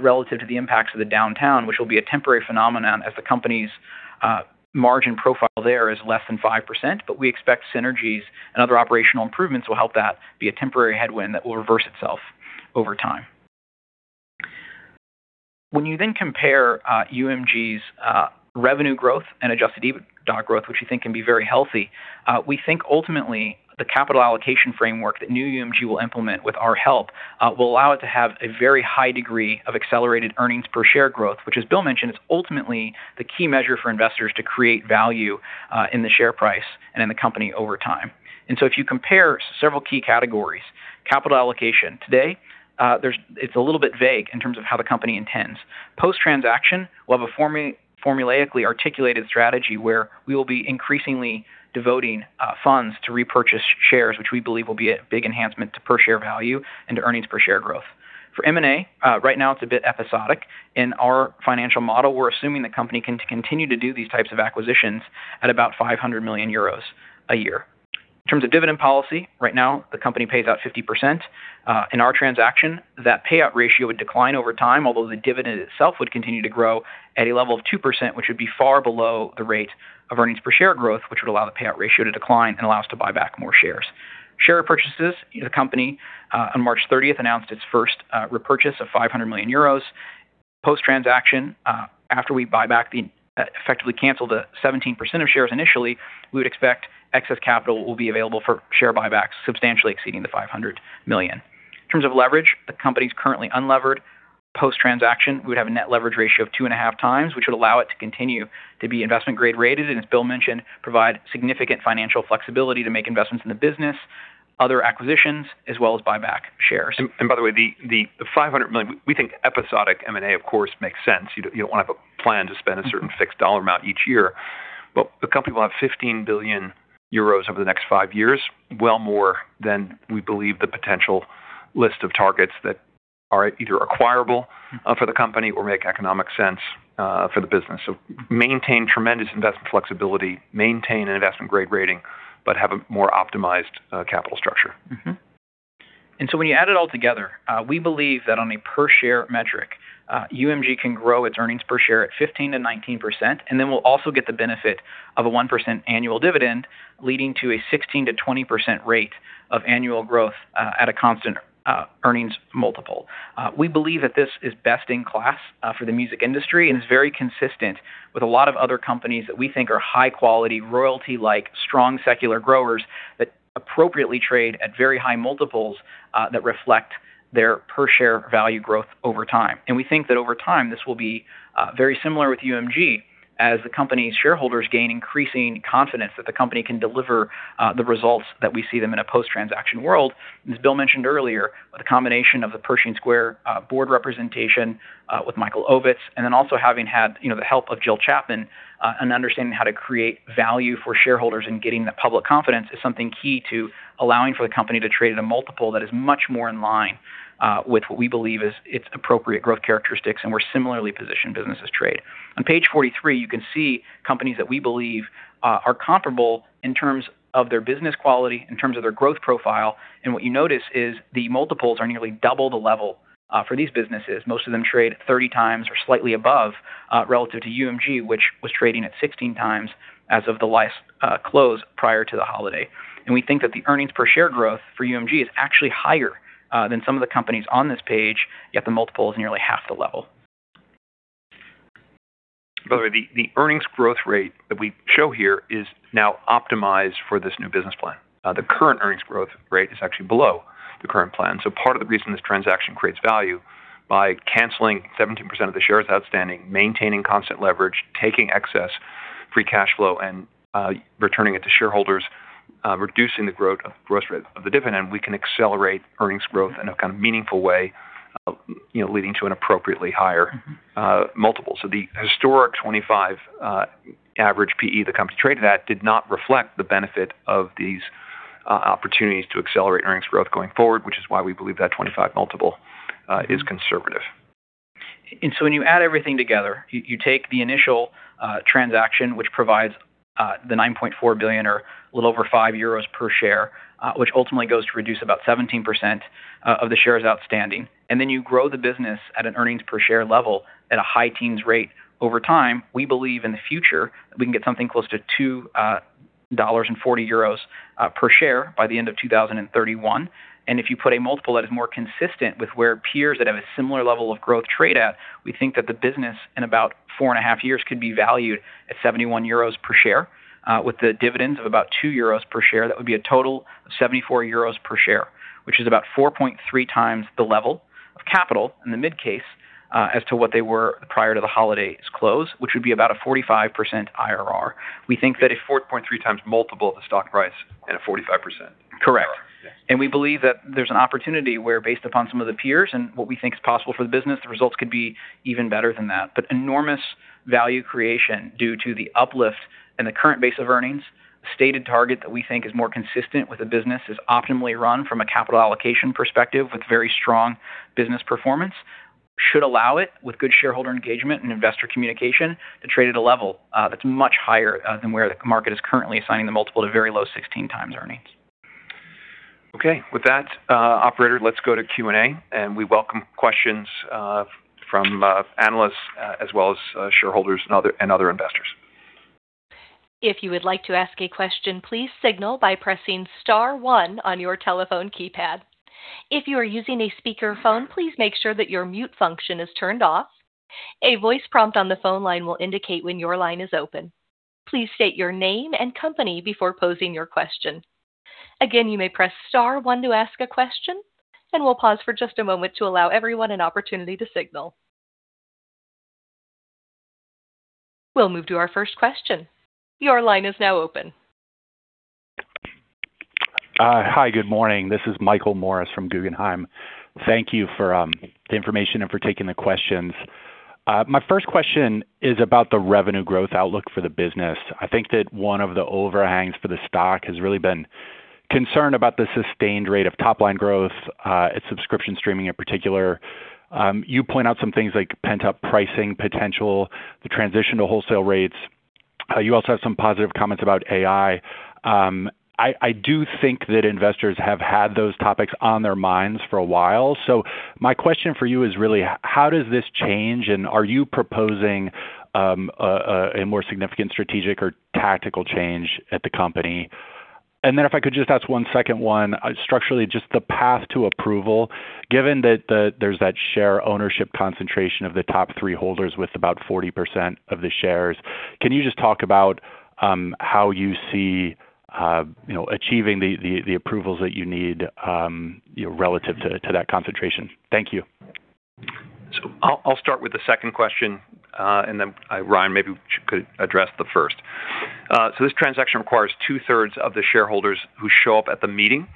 Speaker 3: relative to the impacts of the Downtown, which will be a temporary phenomenon as the company's margin profile there is less than 5%, but we expect synergies and other operational improvements will help that be a temporary headwind that will reverse itself over time. When you then compare UMG's revenue growth and Adjusted EBITDA growth, which we think can be very healthy, we think ultimately the capital allocation framework that New UMG will implement with our help will allow it to have a very high degree of accelerated earnings per share growth, which, as Bill mentioned, is ultimately the key measure for investors to create value in the share price and in the company over time. If you compare several key categories, capital allocation today, it's a little bit vague in terms of how the company intends. Post-transaction, we'll have a formulaically articulated strategy where we will be increasingly devoting funds to repurchase shares, which we believe will be a big enhancement to per share value and to earnings per share growth. For M&A, right now it's a bit episodic. In our financial model, we're assuming the company can continue to do these types of acquisitions at about 500 million euros a year. In terms of dividend policy, right now, the company pays out 50%. In our transaction, that payout ratio would decline over time, although the dividend itself would continue to grow at a level of 2%, which would be far below the rate of earnings per share growth, which would allow the payout ratio to decline and allow us to buy back more shares. Share purchases, the company on March 30th announced its first repurchase of 500 million euros. Post-transaction, after we effectively cancel the 17% of shares initially, we would expect excess capital will be available for share buybacks substantially exceeding the 500 million. In terms of leverage, the company is currently unlevered. Post-transaction, we would have a net leverage ratio of 2.5x, which would allow it to continue to be investment grade rated, and as Bill mentioned, provide significant financial flexibility to make investments in the business, other acquisitions, as well as buy back shares.
Speaker 2: By the way, the 500 million, we think episodic M&A, of course, makes sense. You don't want to have a plan to spend a certain fixed dollar amount each year. The company will have 15 billion euros over the next five years, well more than we believe the potential list of targets that are either acquirable for the company or make economic sense for the business. Maintain tremendous investment flexibility, maintain an investment-grade rating, but have a more optimized capital structure.
Speaker 3: When you add it all together, we believe that on a per-share metric, UMG can grow its earnings per share at 15%-19%, and then we'll also get the benefit of a 1% annual dividend, leading to a 16%-20% rate of annual growth at a constant earnings multiple. We believe that this is best in class for the music industry and is very consistent with a lot of other companies that we think are high quality, royalty-like, strong secular growers that appropriately trade at very high multiples that reflect their per-share value growth over time. We think that over time, this will be very similar with UMG as the company's shareholders gain increasing confidence that the company can deliver the results that we see them in a post-transaction world. As Bill mentioned earlier, the combination of the Pershing Square board representation with Michael Ovitz and then also having had the help of Jill Chapman and understanding how to create value for shareholders and getting the public confidence is something key to allowing for the company to trade at a multiple that is much more in line with what we believe is its appropriate growth characteristics and where similarly positioned businesses trade. On page 43, you can see companies that we believe are comparable in terms of their business quality, in terms of their growth profile, and what you notice is the multiples are nearly double the level for these businesses. Most of them trade at 30x or slightly above relative to UMG, which was trading at 16x as of the last close prior to the holiday. We think that the earnings per share growth for UMG is actually higher than some of the companies on this page, yet the multiple is nearly half the level.
Speaker 2: By the way, the earnings growth rate that we show here is now optimized for this new business plan. The current earnings growth rate is actually below the current plan. Part of the reason this transaction creates value by canceling 17% of the shares outstanding, maintaining constant leverage, taking excess free cash flow and returning it to shareholders, reducing the growth rate of the dividend, we can accelerate earnings growth in a kind of meaningful way, leading to an appropriately higher multiple. The historic 25 average P/E the company traded at did not reflect the benefit of these opportunities to accelerate earnings growth going forward, which is why we believe that 25 multiple is conservative.
Speaker 3: When you add everything together, you take the initial transaction, which provides the 9.4 billion or a little over 5 euros per share, which ultimately goes to reduce about 17% of the shares outstanding. You grow the business at an earnings per share level at a high-teens rate. Over time, we believe in the future, we can get something close to EUR 2.40 per share by the end of 2031. If you put a multiple that is more consistent with where peers that have a similar level of growth trade at, we think that the business in about 4.5 years could be valued at 71 euros per share. With the dividends of about 2 euros per share, that would be a total of 74 euros per share, which is about 4.3x the level of capital in the mid-case as to what they were prior to the holiday's close, which would be about a 45% IRR. We think that
Speaker 2: That's a 4.3x multiple of the stock price at a 45%.
Speaker 3: Correct.
Speaker 2: Yes.
Speaker 3: We believe that there's an opportunity where based upon some of the peers and what we think is possible for the business, the results could be even better than that. Enormous value creation due to the uplift and the current base of earnings, the stated target that we think is more consistent with the business is optimally run from a capital allocation perspective with very strong business performance, should allow it, with good shareholder engagement and investor communication, to trade at a level that's much higher than where the market is currently assigning the multiple to very low 16x earnings.
Speaker 2: Okay. With that, operator, let's go to Q&A, and we welcome questions from analysts as well as shareholders and other investors.
Speaker 1: If you would like to ask a question, please signal by pressing star one on your telephone keypad. If you are using a speakerphone, please make sure that your mute function is turned off. A voice prompt on the phone line will indicate when your line is open. Please state your name and company before posing your question. Again, you may press star one to ask a question, and we'll pause for just a moment to allow everyone an opportunity to signal. We'll move to our first question. Your line is now open.
Speaker 4: Hi, good morning. This is Michael Morris from Guggenheim. Thank you for the information and for taking the questions. My first question is about the revenue growth outlook for the business. I think that one of the overhangs for the stock has really been concern about the sustained rate of top-line growth, its subscription streaming in particular. You point out some things like pent-up pricing potential, the transition to wholesale rates. You also have some positive comments about AI. I do think that investors have had those topics on their minds for a while. My question for you is really, how does this change, and are you proposing a more significant strategic or tactical change at the company? Then if I could just ask one second one. Structurally, just the path to approval, given that there's that share ownership concentration of the top three holders with about 40% of the shares, can you just talk about how you see achieving the approvals that you need relative to that concentration? Thank you.
Speaker 2: I'll start with the second question, and then Ryan maybe could address the first. This transaction requires two-thirds of the shareholders who show up at the meeting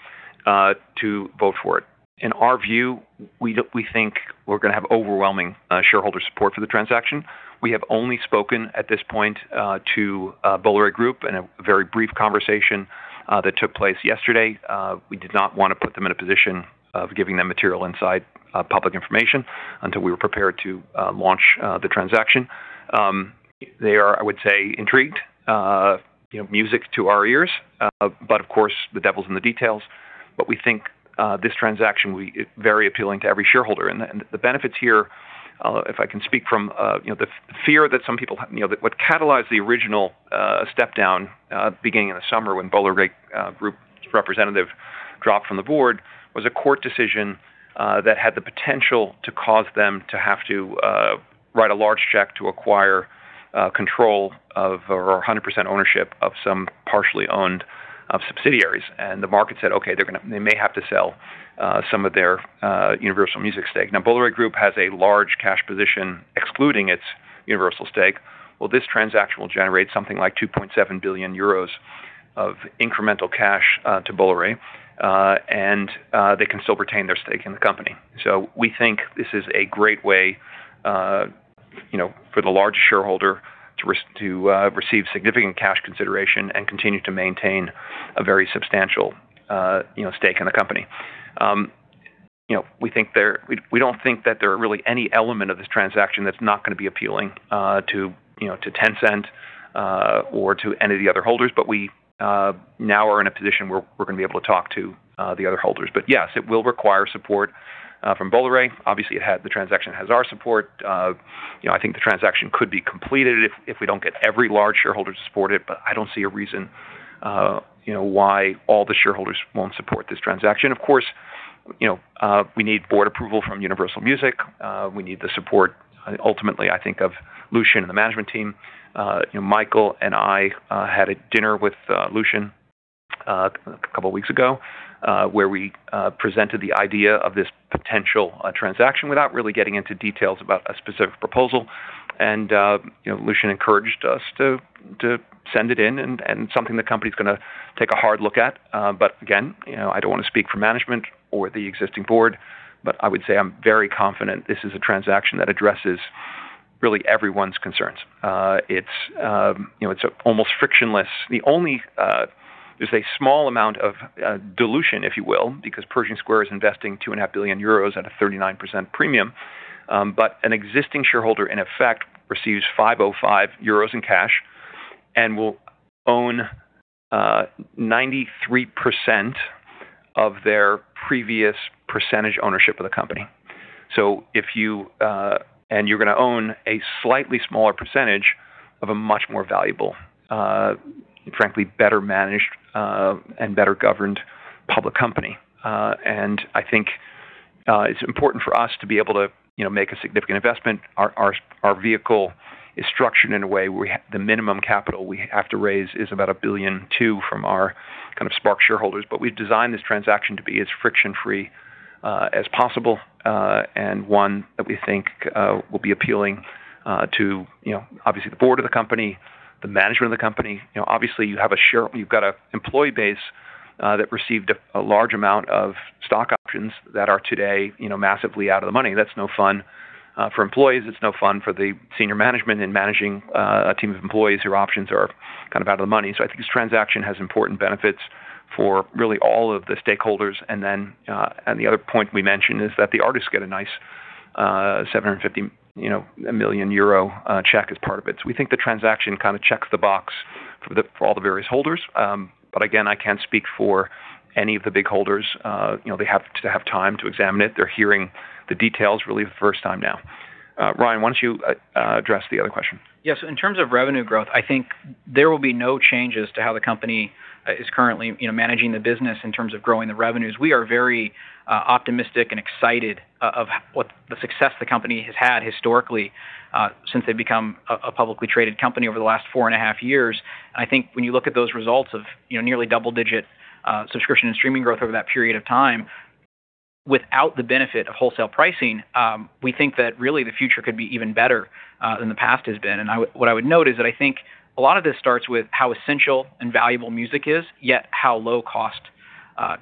Speaker 2: to vote for it. In our view, we think we're going to have overwhelming shareholder support for the transaction. We have only spoken at this point to Bolloré Group in a very brief conversation that took place yesterday. We did not want to put them in a position of giving them material nonpublic information until we were prepared to launch the transaction. They are, I would say, intrigued. Music to our ears, but of course, the devil's in the details. We think this transaction will be very appealing to every shareholder, and the benefits here, if I can speak from the fear that some people have. What catalyzed the original step-down beginning in the summer when Bolloré Group's representative dropped from the board, was a court decision that had the potential to cause them to have to write a large check to acquire control of, or 100% ownership of some partially owned subsidiaries. The market said, "Okay, they may have to sell some of their Universal Music stake." Now, Bolloré Group has a large cash position excluding its Universal stake. Well, this transaction will generate something like 2.7 billion euros of incremental cash to Bolloré, and they can still retain their stake in the company. We think this is a great way for the largest shareholder to receive significant cash consideration and continue to maintain a very substantial stake in the company. We don't think that there are really any element of this transaction that's not going to be appealing to Tencent or to any of the other holders. We now are in a position where we're going to be able to talk to the other holders. Yes, it will require support from Bolloré. Obviously, the transaction has our support. I think the transaction could be completed if we don't get every large shareholder to support it, but I don't see a reason why all the shareholders won't support this transaction. Of course, we need board approval from Universal Music. We need the support, ultimately, I think, of Lucian and the management team. Michael and I had a dinner with Lucian a couple of weeks ago, where we presented the idea of this potential transaction without really getting into details about a specific proposal. Lucian encouraged us to send it in, and something the company's going to take a hard look at. Again, I don't want to speak for management or the existing board, but I would say I'm very confident this is a transaction that addresses really everyone's concerns. It's almost frictionless. There's a small amount of dilution, if you will, because Pershing Square is investing 2.5 billion euros at a 39% premium. An existing shareholder, in effect, receives 505 euros in cash and will own 93% of their previous percentage ownership of the company. You're going to own a slightly smaller percentage of a much more valuable, frankly, better managed and better governed public company. I think it's important for us to be able to make a significant investment. Our vehicle is structured in a way where the minimum capital we have to raise is about 1.2 billion from our kind of SPARC shareholders. We've designed this transaction to be as friction-free as possible, and one that we think will be appealing to obviously the board of the company, the management of the company. Obviously, you've got an employee base that received a large amount of stock options that are today massively out of the money. That's no fun for employees. It's no fun for the senior management in managing a team of employees whose options are kind of out of the money. I think this transaction has important benefits for really all of the stakeholders. The other point we mentioned is that the artists get a nice 750 million euro check as part of it. We think the transaction kind of checks the box for all the various holders. Again, I can't speak for any of the big holders. They have to have time to examine it. They're hearing the details really the first time now. Ryan, why don't you address the other question?
Speaker 3: Yes. In terms of revenue growth, I think there will be no changes to how the company is currently managing the business in terms of growing the revenues. We are very optimistic and excited of the success the company has had historically since they've become a publicly traded company over the last 4.5 years. I think when you look at those results of nearly double-digit subscription and streaming growth over that period of time without the benefit of wholesale pricing, we think that really the future could be even better than the past has been. What I would note is that I think a lot of this starts with how essential and valuable music is, yet how low cost.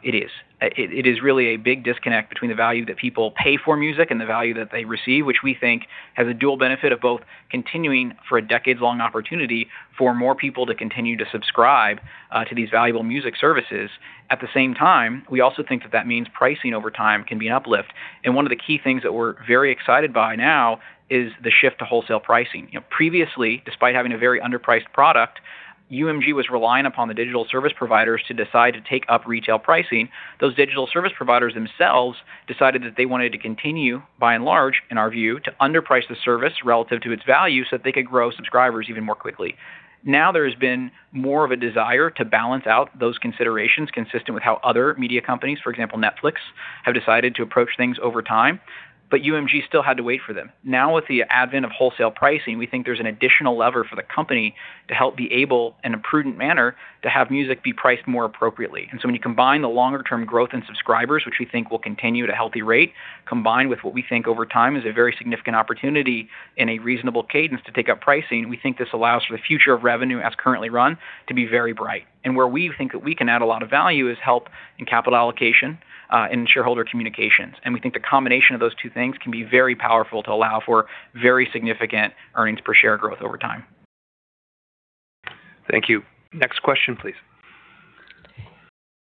Speaker 3: It is. It is really a big disconnect between the value that people pay for music and the value that they receive, which we think has a dual benefit of both continuing for a decades-long opportunity for more people to continue to subscribe to these valuable music services. At the same time, we also think that that means pricing over time can be an uplift. One of the key things that we're very excited by now is the shift to wholesale pricing. Previously, despite having a very underpriced product, UMG was relying upon the digital service providers to decide to take up retail pricing. Those digital service providers themselves decided that they wanted to continue, by and large, in our view, to underprice the service relative to its value so that they could grow subscribers even more quickly. Now there has been more of a desire to balance out those considerations consistent with how other media companies, for example, Netflix, have decided to approach things over time, but UMG still had to wait for them. Now, with the advent of wholesale pricing, we think there's an additional lever for the company to help be able, in a prudent manner, to have music be priced more appropriately. When you combine the longer term growth in subscribers, which we think will continue at a healthy rate, combined with what we think over time is a very significant opportunity in a reasonable cadence to take up pricing, we think this allows for the future of revenue as currently run, to be very bright. Where we think that we can add a lot of value is help in capital allocation and shareholder communications. We think the combination of those two things can be very powerful to allow for very significant earnings per share growth over time.
Speaker 2: Thank you. Next question, please.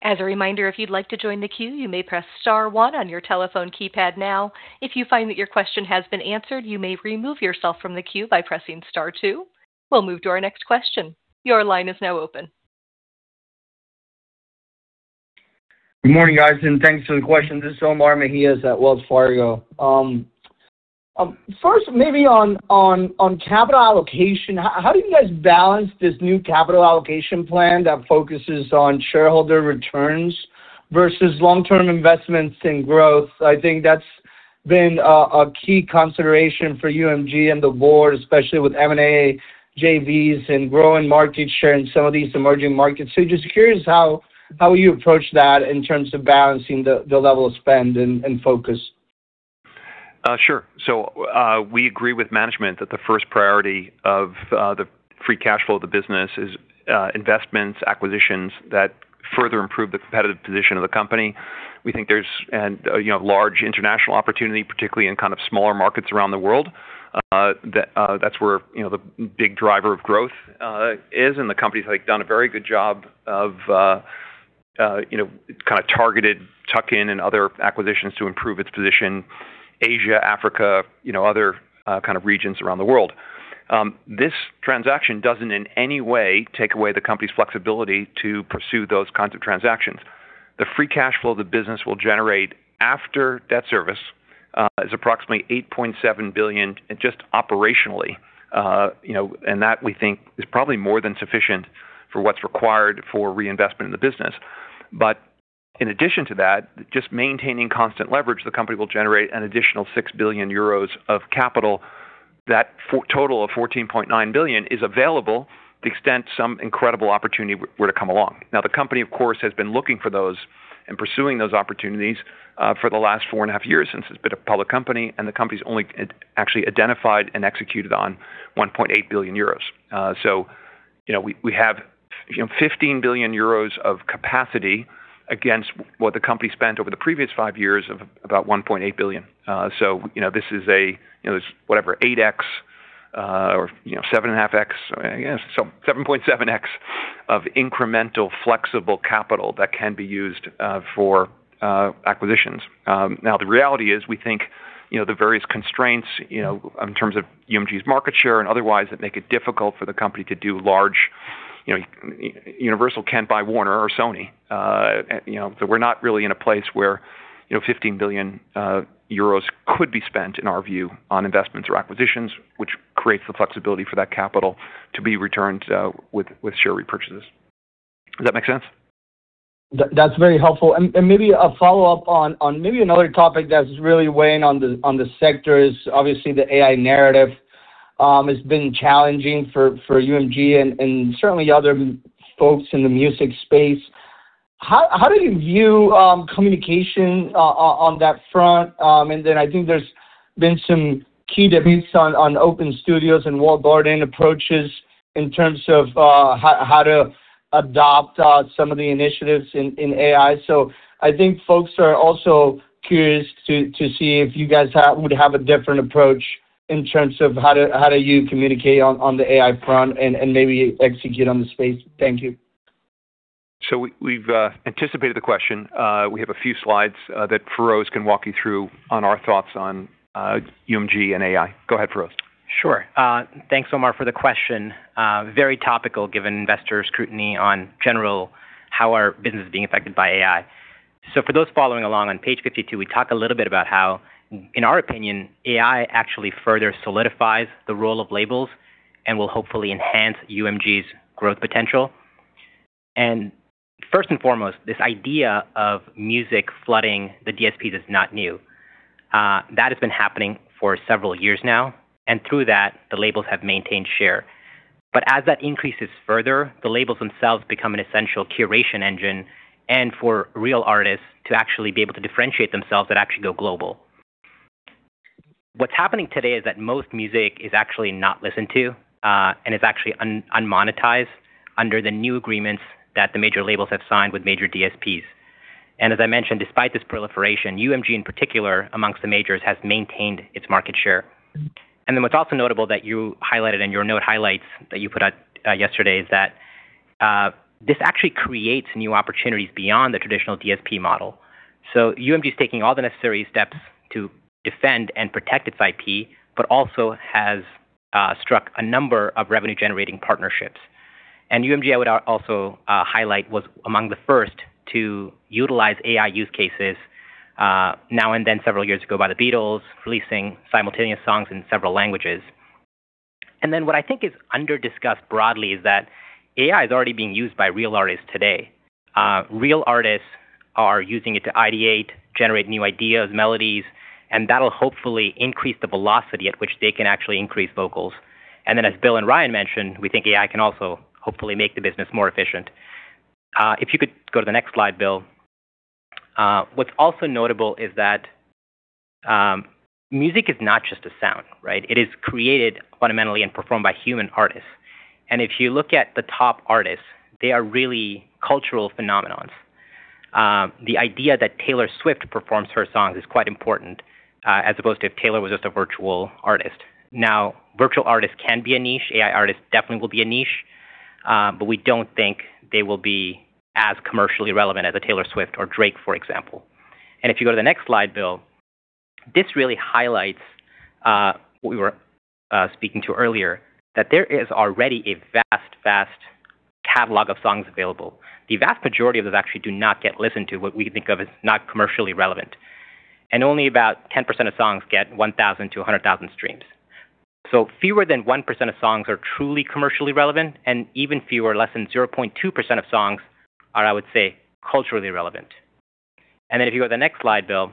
Speaker 1: As a reminder, if you'd like to join the queue, you may press star one on your telephone keypad now. If you find that your question has been answered, you may remove yourself from the queue by pressing star two. We'll move to our next question. Your line is now open.
Speaker 5: Good morning, guys, and thanks for the question. This is Omar Mejias at Wells Fargo. First, maybe on capital allocation, how do you guys balance this new capital allocation plan that focuses on shareholder returns versus long-term investments in growth? I think that's been a key consideration for UMG and the board, especially with M&A, JVs, and growing market share in some of these emerging markets. Just curious how you approach that in terms of balancing the level of spend and focus.
Speaker 2: Sure. We agree with management that the first priority of the free cash flow of the business is investments, acquisitions that further improve the competitive position of the company. We think there's a large international opportunity, particularly in kind of smaller markets around the world. That's where the big driver of growth is, and the company's done a very good job of targeted tuck-in and other acquisitions to improve its position, Asia, Africa, other kind of regions around the world. This transaction doesn't in any way take away the company's flexibility to pursue those kinds of transactions. The free cash flow the business will generate after debt service is approximately 8.7 billion just operationally, and that, we think, is probably more than sufficient for what's required for reinvestment in the business. in addition to that, just maintaining constant leverage, the company will generate an additional 6 billion euros of capital. That total of 14.9 billion is available to the extent some incredible opportunity were to come along. Now, the company, of course, has been looking for those and pursuing those opportunities for the last 4.5 years since it's been a public company, and the company's only actually identified and executed on 1.8 billion euros. We have 15 billion euros of capacity against what the company spent over the previous five years of about 1.8 billion. This is a, whatever, 8x or 7.5x, so 7.7x of incremental flexible capital that can be used for acquisitions. Now the reality is, we think, the various constraints in terms of UMG's market share and otherwise that make it difficult for the company to do Universal can't buy Warner or Sony. We're not really in a place where 15 billion euros could be spent, in our view, on investments or acquisitions, which creates the flexibility for that capital to be returned with share repurchases. Does that make sense?
Speaker 5: That's very helpful. Maybe a follow-up on maybe another topic that's really weighing on the sector is obviously the AI narrative has been challenging for UMG and certainly other folks in the music space. How do you view communication on that front? Then I think there's been some key debates on open source and walled garden approaches in terms of how to adopt some of the initiatives in AI. I think folks are also curious to see if you guys would have a different approach in terms of how do you communicate on the AI front and maybe execute on the space. Thank you.
Speaker 2: We've anticipated the question. We have a few slides that Feroz can walk you through on our thoughts on UMG and AI. Go ahead, Feroz.
Speaker 6: Sure. Thanks, Omar, for the question. Very topical, given investor scrutiny in general how are businesses being affected by AI. For those following along on page 52, we talk a little bit about how, in our opinion, AI actually further solidifies the role of labels and will hopefully enhance UMG's growth potential. First and foremost, this idea of music flooding the DSPs is not new. That has been happening for several years now, and through that, the labels have maintained share. As that increases further, the labels themselves become an essential curation engine, and for real artists to actually be able to differentiate themselves that actually go global. What's happening today is that most music is actually not listened to, and is actually unmonetized under the new agreements that the major labels have signed with major DSPs. As I mentioned, despite this proliferation, UMG in particular, among the majors, has maintained its market share. What's also notable that you highlighted in your note highlights that you put out yesterday is that this actually creates new opportunities beyond the traditional DSP model. UMG is taking all the necessary steps to defend and protect its IP, but also has struck a number of revenue-generating partnerships. UMG, I would also highlight, was among the first to utilize AI use cases, Now and Then several years ago by the Beatles, releasing simultaneous songs in several languages. What I think is under-discussed broadly is that AI is already being used by real artists today. Real artists are using it to ideate, generate new ideas, melodies, and that'll hopefully increase the velocity at which they can actually increase vocals. As Bill and Ryan mentioned, we think AI can also hopefully make the business more efficient. If you could go to the next slide, Bill. What's also notable is that music is not just a sound, right? It is created fundamentally and performed by human artists. If you look at the top artists, they are really cultural phenomena. The idea that Taylor Swift performs her songs is quite important, as opposed to if Taylor was just a virtual artist. Now, virtual artists can be a niche. AI artists definitely will be a niche. We don't think they will be as commercially relevant as a Taylor Swift or Drake, for example. If you go to the next slide, Bill, this really highlights what we were speaking to earlier, that there is already a vast catalog of songs available. The vast majority of those actually do not get listened to, what we think of as not commercially relevant, and only about 10% of songs get 1,000 to 100,000 streams. Fewer than 1% of songs are truly commercially relevant and even fewer, less than 0.2% of songs are, I would say, culturally relevant. If you go to the next slide, Bill.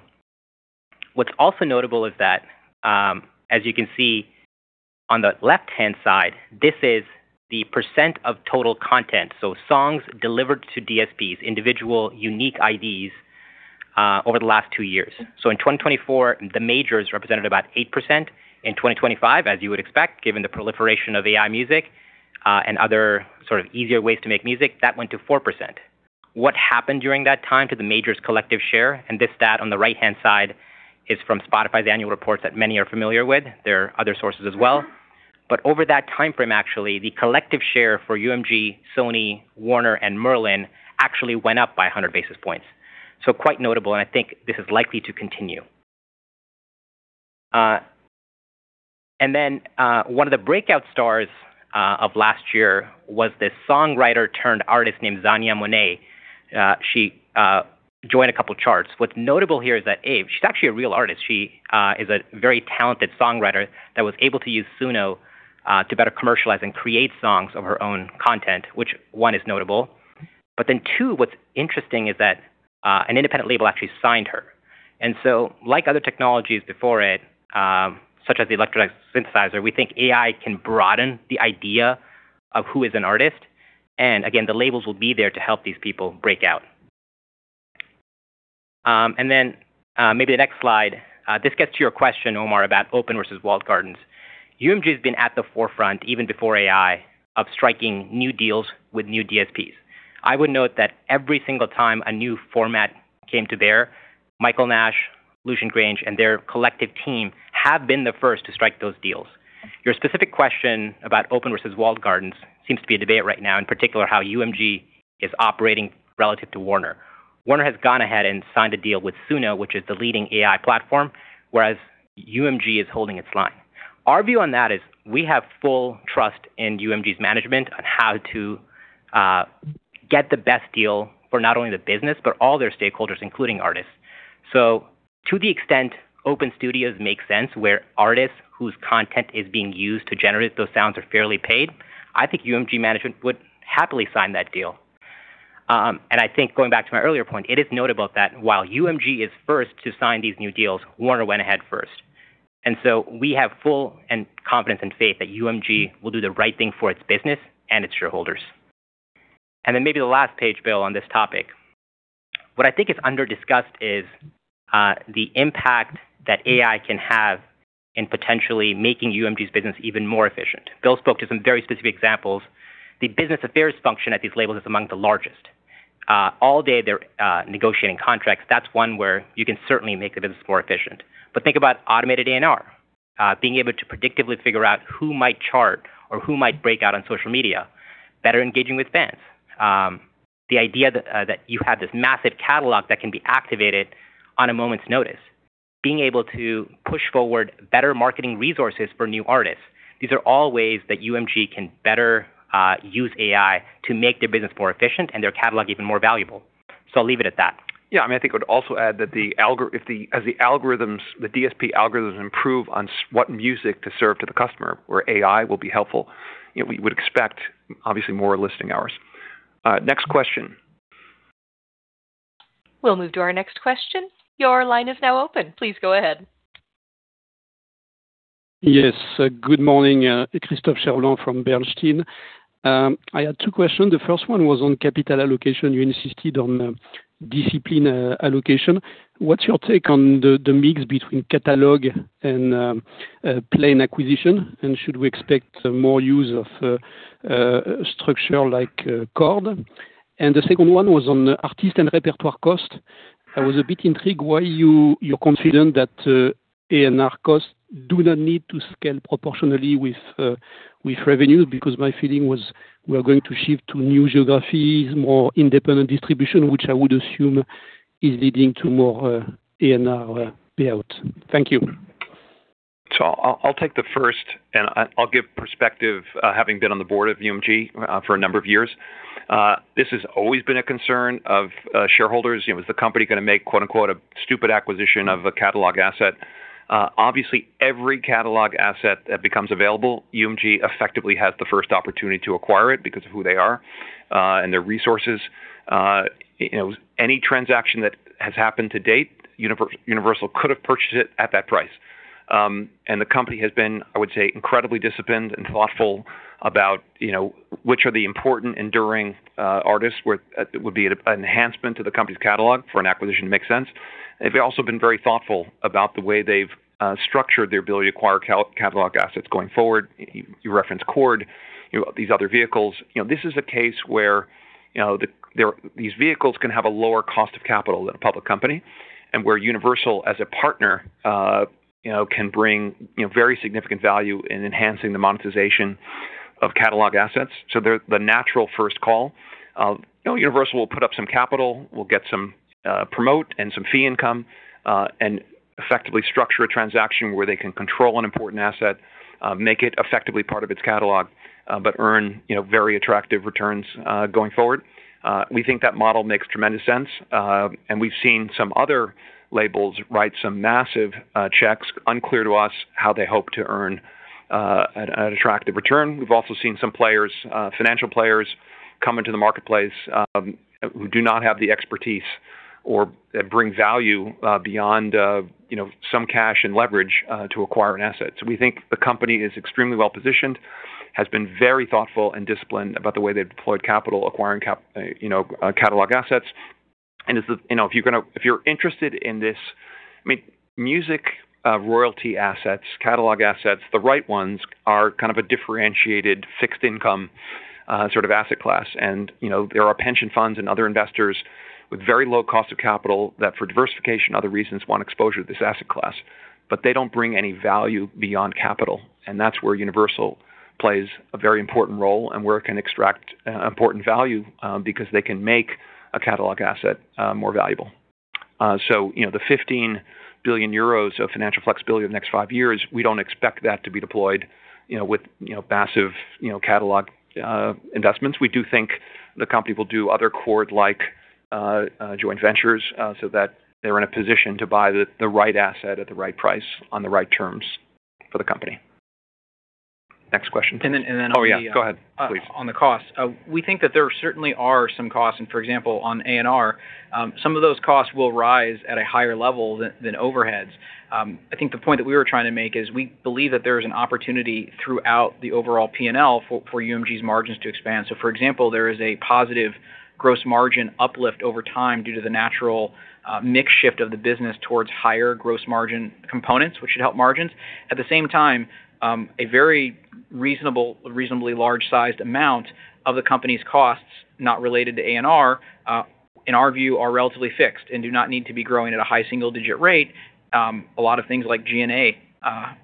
Speaker 6: What's also notable is that, as you can see on the left-hand side, this is the percent of total content, songs delivered to DSPs, individual unique IDs, over the last two years. In 2024, the majors represented about 8%. In 2025, as you would expect, given the proliferation of AI music, and other sort of easier ways to make music, that went to 4%. What happened during that time to the majors' collective share, and this stat on the right-hand side is from Spotify's annual report that many are familiar with. There are other sources as well. Over that timeframe actually, the collective share for UMG, Sony, Warner and Merlin actually went up by 100 basis points. Quite notable, and I think this is likely to continue. One of the breakout stars of last year was this songwriter turned artist named Xania Monet. She joined a couple of charts. What's notable here is that, A, she's actually a real artist. She is a very talented songwriter that was able to use Suno to better commercialize and create songs of her own content. Which one is notable. Two, what's interesting is that an independent label actually signed her. Like other technologies before it, such as the electronic synthesizer, we think AI can broaden the idea of who is an artist. Again, the labels will be there to help these people break out. Maybe the next slide. This gets to your question, Omar, about open versus walled gardens. UMG has been at the forefront, even before AI, of striking new deals with new DSPs. I would note that every single time a new format came to bear, Michael Nash, Lucian Grainge and their collective team have been the first to strike those deals. Your specific question about open versus walled gardens seems to be a debate right now, in particular, how UMG is operating relative to Warner. Warner has gone ahead and signed a deal with Suno, which is the leading AI platform, whereas UMG is holding its line. Our view on that is we have full trust in UMG's management on how to get the best deal for not only the business, but all their stakeholders, including artists. To the extent open studios make sense, where artists whose content is being used to generate those sounds are fairly paid, I think UMG management would happily sign that deal. I think going back to my earlier point, it is notable that while UMG is first to sign these new deals, Warner went ahead first. We have full confidence and faith that UMG will do the right thing for its business and its shareholders. Then maybe the last page, Bill, on this topic. What I think is under-discussed is the impact that AI can have in potentially making UMG's business even more efficient. Bill spoke to some very specific examples. The business affairs function at these labels is among the largest. All day they're negotiating contracts. That's one where you can certainly make the business more efficient. Think about automated A&R, being able to predictively figure out who might chart or who might break out on social media, better engaging with fans. The idea that you have this massive catalog that can be activated on a moment's notice, being able to push forward better marketing resources for new artists. These are all ways that UMG can better use AI to make their business more efficient and their catalog even more valuable. I'll leave it at that.
Speaker 2: Yeah, I think I would also add that as the DSP algorithms improve on what music to serve to the customer, where AI will be helpful, we would expect obviously more listening hours. Next question.
Speaker 1: We'll move to our next question. Your line is now open. Please go ahead.
Speaker 7: Yes. Good morning. It's Christophe Cherblanc from Bernstein. I had two questions. The first one was on capital allocation. You insisted on disciplined allocation. What's your take on the mix between catalog and planned acquisition, and should we expect more use of structure like Cord? The second one was on artist and repertoire cost. I was a bit intrigued why you're confident that A&R costs do not need to scale proportionally with revenue, because my feeling was we are going to shift to new geographies, more independent distribution, which I would assume is leading to more A&R payout. Thank you.
Speaker 2: I'll take the first, and I'll give perspective, having been on the board of UMG for a number of years. This has always been a concern of shareholders. Is the company going to make, quote-unquote, a stupid acquisition of a catalog asset? Obviously, every catalog asset that becomes available, UMG effectively has the first opportunity to acquire it because of who they are and their resources. Any transaction that has happened to date, Universal could have purchased it at that price. The company has been, I would say, incredibly disciplined and thoughtful about which are the important enduring artists where it would be an enhancement to the company's catalog for an acquisition to make sense. They've also been very thoughtful about the way they've structured their ability to acquire catalog assets going forward. You referenced Cord, these other vehicles. This is a case where these vehicles can have a lower cost of capital than a public company, and where Universal as a partner, can bring very significant value in enhancing the monetization of catalog assets. They're the natural first call. Universal will put up some capital, will get some promote and some fee income, and effectively structure a transaction where they can control an important asset, make it effectively part of its catalog, but earn very attractive returns going forward. We think that model makes tremendous sense, and we've seen some other labels write some massive checks. Unclear to us how they hope to earn an attractive return. We've also seen some financial players come into the marketplace who do not have the expertise or bring value beyond some cash and leverage to acquire an asset. We think the company is extremely well-positioned, has been very thoughtful and disciplined about the way they deployed capital, acquiring catalog assets. If you're interested in this, music royalty assets, catalog assets, the right ones are kind of a differentiated fixed income sort of asset class. There are pension funds and other investors with very low cost of capital that for diversification, other reasons want exposure to this asset class. They don't bring any value beyond capital. That's where Universal plays a very important role and where it can extract important value because they can make a catalog asset more valuable. The 15 billion euros of financial flexibility over the next five years, we don't expect that to be deployed with massive catalog investments. We do think the company will do other Cord-like joint ventures so that they're in a position to buy the right asset at the right price on the right terms for the company. Next question, please.
Speaker 3: And then-
Speaker 2: Oh, yeah. Go ahead, please.
Speaker 3: On the cost. We think that there certainly are some costs, and for example, on A&R, some of those costs will rise at a higher level than overheads. I think the point that we were trying to make is we believe that there is an opportunity throughout the overall P&L for UMG's margins to expand. For example, there is a positive gross margin uplift over time due to the natural mix shift of the business towards higher gross margin components, which should help margins. At the same time, a very reasonably large-sized amount of the company's costs, not related to A&R, in our view, are relatively fixed and do not need to be growing at a high single-digit rate. A lot of things like G&A,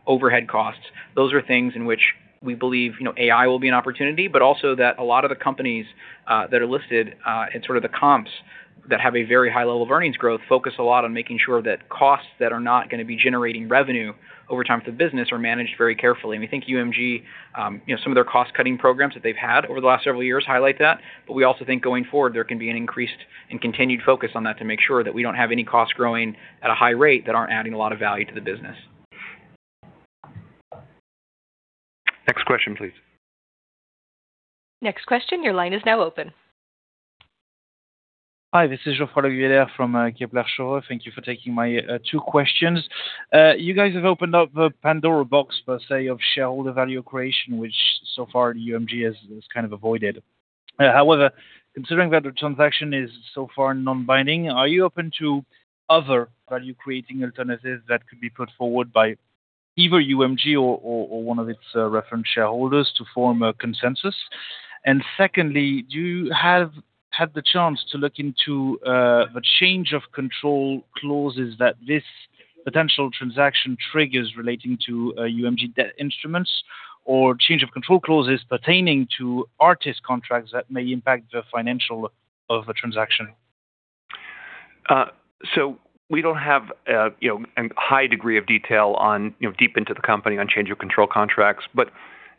Speaker 3: overhead costs, those are things in which we believe AI will be an opportunity, but also that a lot of the companies that are listed in sort of the comps that have a very high level of earnings growth focus a lot on making sure that costs that are not going to be generating revenue over time for the business are managed very carefully. We think UMG, some of their cost-cutting programs that they've had over the last several years highlight that. We also think going forward, there can be an increased and continued focus on that to make sure that we don't have any costs growing at a high rate that aren't adding a lot of value to the business.
Speaker 2: Next question, please.
Speaker 1: Next question, your line is now open.
Speaker 8: Hi, this is Geoffroy Laugier from Kepler Cheuvreux. Thank you for taking my two questions. You guys have opened up a Pandora's box, per se, of shareholder value creation, which so far UMG has kind of avoided. However, considering that the transaction is so far non-binding, are you open to other value-creating alternatives that could be put forward by either UMG or one of its referenced shareholders to form a consensus? Secondly, have you had the chance to look into the change of control clauses that this potential transaction triggers relating to UMG debt instruments, or change of control clauses pertaining to artist contracts that may impact the financials of the transaction?
Speaker 2: We don't have a high degree of detail deep into the company on change of control contracts.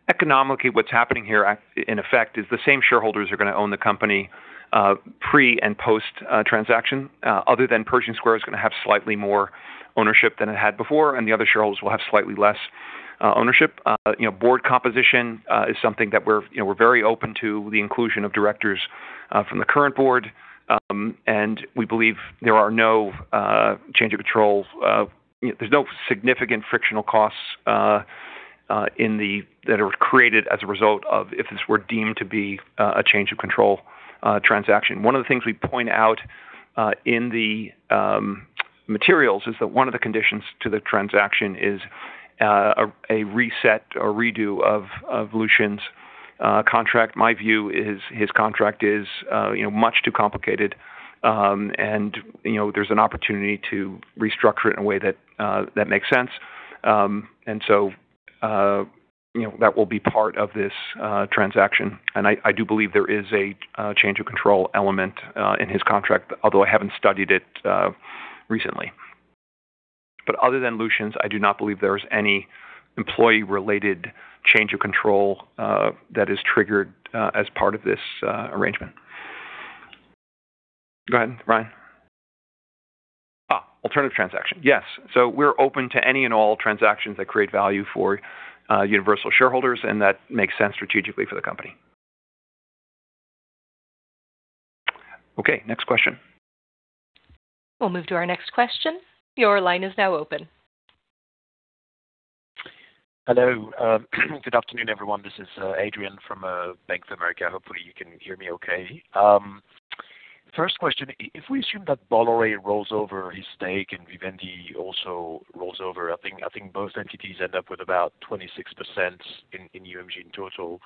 Speaker 2: Economically, what's happening here in effect is the same shareholders are going to own the company pre and post-transaction. Other than Pershing Square is going to have slightly more ownership than it had before, and the other shareholders will have slightly less ownership. Board composition is something that we're very open to the inclusion of directors from the current board, and we believe there are no change of control. There's no significant frictional costs that are created as a result of if this were deemed to be a change of control transaction. One of the things we point out in the materials is that one of the conditions to the transaction is a reset or redo of Lucian's contract. My view is his contract is much too complicated, and there's an opportunity to restructure it in a way that makes sense. That will be part of this transaction. I do believe there is a change of control element in his contract, although I haven't studied it recently. Other than Lucian's, I do not believe there is any employee-related change of control that is triggered as part of this arrangement. Go ahead, Ryan.
Speaker 3: Alternative transaction. Yes. We're open to any and all transactions that create value for Universal shareholders and that make sense strategically for the company.
Speaker 2: Okay, next question.
Speaker 1: We'll move to our next question. Your line is now open.
Speaker 9: Hello. Good afternoon, everyone. This is Adrian from Bank of America. Hopefully, you can hear me okay. First question, if we assume that Bolloré rolls over his stake and Vivendi also rolls over, I think both entities end up with about 26% in UMG in total.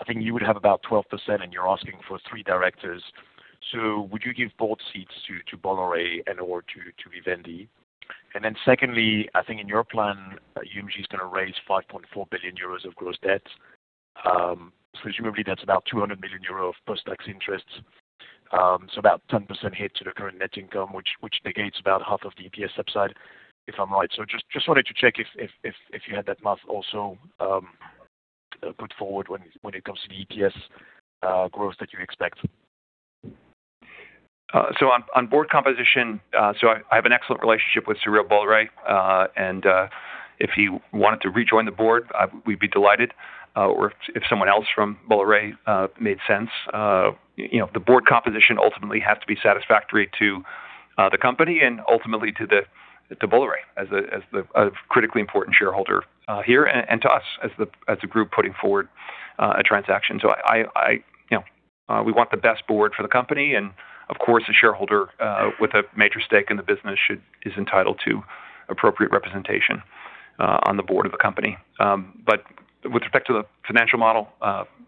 Speaker 9: I think you would have about 12% and you're asking for three directors. Would you give board seats to Bolloré or to Vivendi? Secondly, I think in your plan, UMG is going to raise 5.4 billion euros of gross debt. Presumably, that's about 200 million euros of post-tax interest. About 10% hit to the current net income, which negates about half of the EPS upside, if I'm right. Just wanted to check if you had that math also put forward when it comes to the EPS growth that you expect.
Speaker 2: On board composition, I have an excellent relationship with Cyrille Bolloré, and if he wanted to rejoin the board, we'd be delighted. If someone else from Bolloré made sense. The board composition ultimately has to be satisfactory to the company and ultimately to Bolloré as a critically important shareholder here and to us as a group putting forward a transaction. We want the best board for the company, and of course, a shareholder with a major stake in the business is entitled to appropriate representation on the board of a company. With respect to the financial model,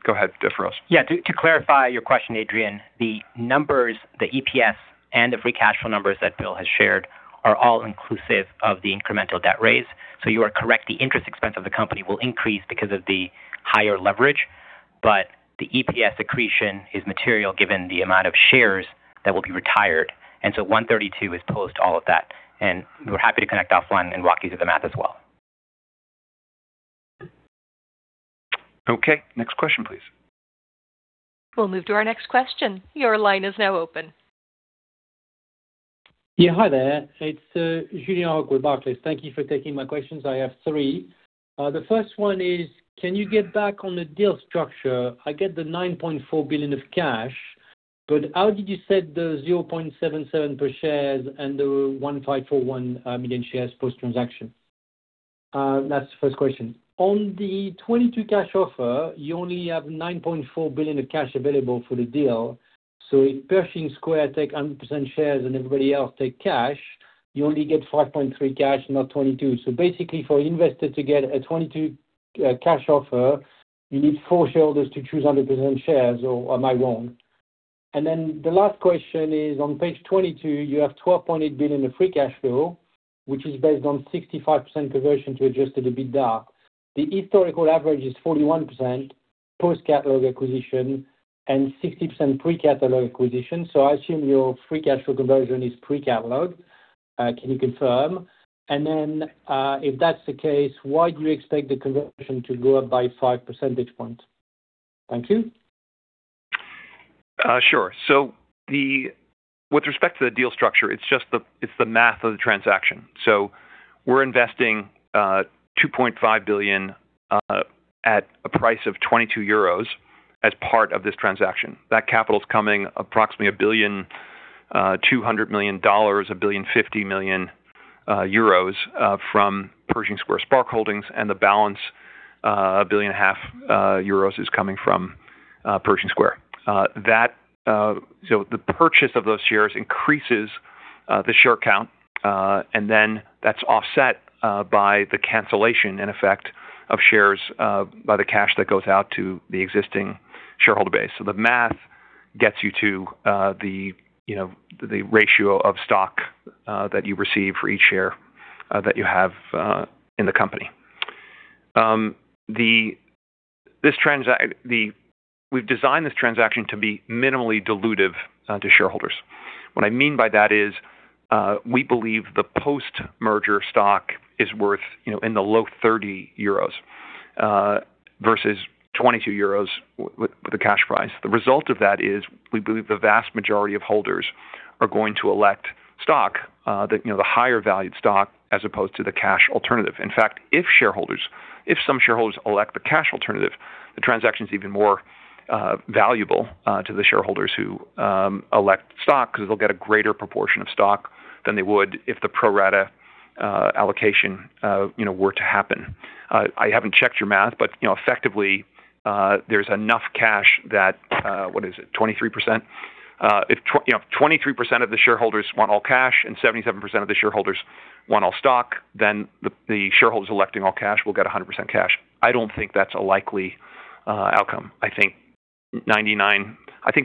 Speaker 2: go ahead, Feroz.
Speaker 6: Yeah. To clarify your question, Adrian, the numbers, the EPS and the free cash flow numbers that Bill has shared are all inclusive of the incremental debt raise. You are correct, the interest expense of the company will increase because of the higher leverage, but the EPS accretion is material given the amount of shares that will be retired. 1.32 is post all of that, and we're happy to connect offline and walk you through the math as well.
Speaker 2: Okay. Next question, please.
Speaker 1: We'll move to our next question. Your line is now open.
Speaker 10: Yeah, hi there. It's Julian with Barclays. Thank you for taking my questions. I have three. The first one is, can you get back on the deal structure? I get the 9.4 billion of cash, but how did you set the 0.77 per share and the 1,541 million shares post-transaction? That's the first question. On the 22 cash offer, you only have 9.4 billion of cash available for the deal. So if Pershing Square take 100% shares and everybody else take cash, you only get 5.3 cash, not 22. So basically, for an investor to get a 22 cash offer, you need four shareholders to choose 100% shares or am I wrong? The last question is, on page 22, you have 12.8 billion of free cash flow, which is based on 65% conversion to Adjusted EBITDA. The historical average is 41% post-catalog acquisition and 60% pre-catalog acquisition. I assume your free cash flow conversion is pre-catalog. Can you confirm? If that's the case, why do you expect the conversion to go up by five percentage points? Thank you.
Speaker 2: Sure. With respect to the deal structure, it's the math of the transaction. We're investing 2.5 billion at a price of 22 euros as part of this transaction. That capital is coming approximately $1.2 billion, 1.05 billion euros from Pershing Square SPARC Holdings, and the balance, 1.5 billion is coming from Pershing Square. The purchase of those shares increases the share count, and then that's offset by the cancellation, in effect, of shares by the cash that goes out to the existing shareholder base. The math gets you to the ratio of stock that you receive for each share that you have in the company. We've designed this transaction to be minimally dilutive to shareholders. What I mean by that is, we believe the post-merger stock is worth in the low 30 euros versus 22 euros with the cash price. The result of that is we believe the vast majority of holders are going to elect stock, the higher valued stock as opposed to the cash alternative. In fact, if some shareholders elect the cash alternative, the transaction's even more valuable to the shareholders who elect stock because they'll get a greater proportion of stock than they would if the pro rata allocation were to happen. I haven't checked your math, but effectively, there's enough cash that, what is it, 23%? If 23% of the shareholders want all cash and 77% of the shareholders want all stock, then the shareholders electing all cash will get 100% cash. I don't think that's a likely outcome. I think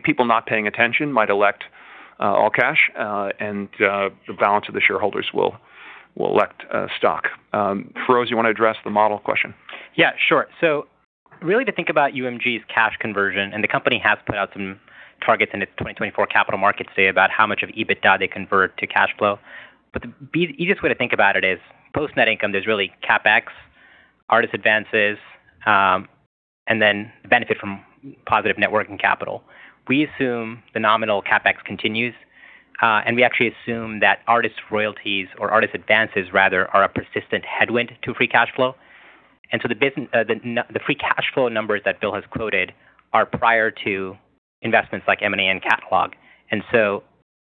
Speaker 2: people not paying attention might elect all cash, and the balance of the shareholders will elect stock. Feroz, you want to address the model question?
Speaker 6: Yeah, sure. Really to think about UMG's cash conversion, the company has put out some targets in its 2024 capital markets day about how much of EBITDA they convert to cash flow. The easiest way to think about it is post net income, there's really CapEx, artist advances, and then benefit from positive net working capital. We assume the nominal CapEx continues, and we actually assume that artist royalties or artist advances rather are a persistent headwind to free cash flow. The free cash flow numbers that Bill has quoted are prior to investments like M&A and catalog.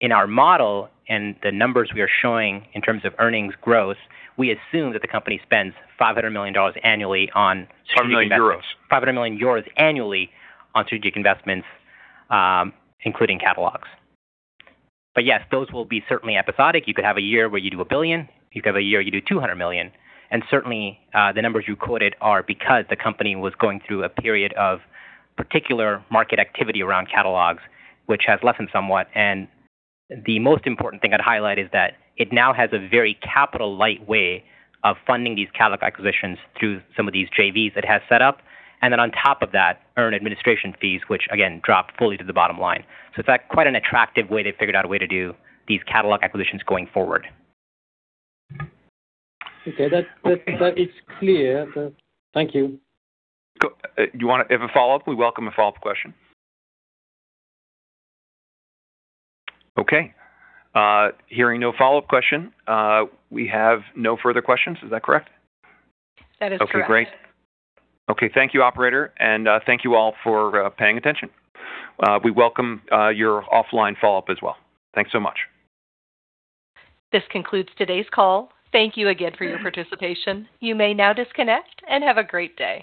Speaker 6: In our model and the numbers we are showing in terms of earnings growth, we assume that the company spends $500 million annually on-
Speaker 2: 500 million euros.
Speaker 6: EUR 500 million annually on strategic investments, including catalogs. Yes, those will be certainly episodic. You could have a year where you do 1 billion, you could have a year you do 200 million. Certainly, the numbers you quoted are because the company was going through a period of particular market activity around catalogs, which has lessened somewhat. The most important thing I'd highlight is that it now has a very capital light way of funding these catalog acquisitions through some of these JVs it has set up. Then on top of that, earn administration fees, which, again, drop fully to the bottom line. In fact, quite an attractive way they figured out a way to do these catalog acquisitions going forward.
Speaker 10: Okay. That is clear. Thank you.
Speaker 2: Do you want to have a follow-up? We welcome a follow-up question. Okay. Hearing no follow-up question. We have no further questions. Is that correct?
Speaker 1: That is correct.
Speaker 2: Okay, great. Okay. Thank you, operator, and thank you all for paying attention. We welcome your offline follow-up as well. Thanks so much.
Speaker 1: This concludes today's call. Thank you again for your participation. You may now disconnect and have a great day.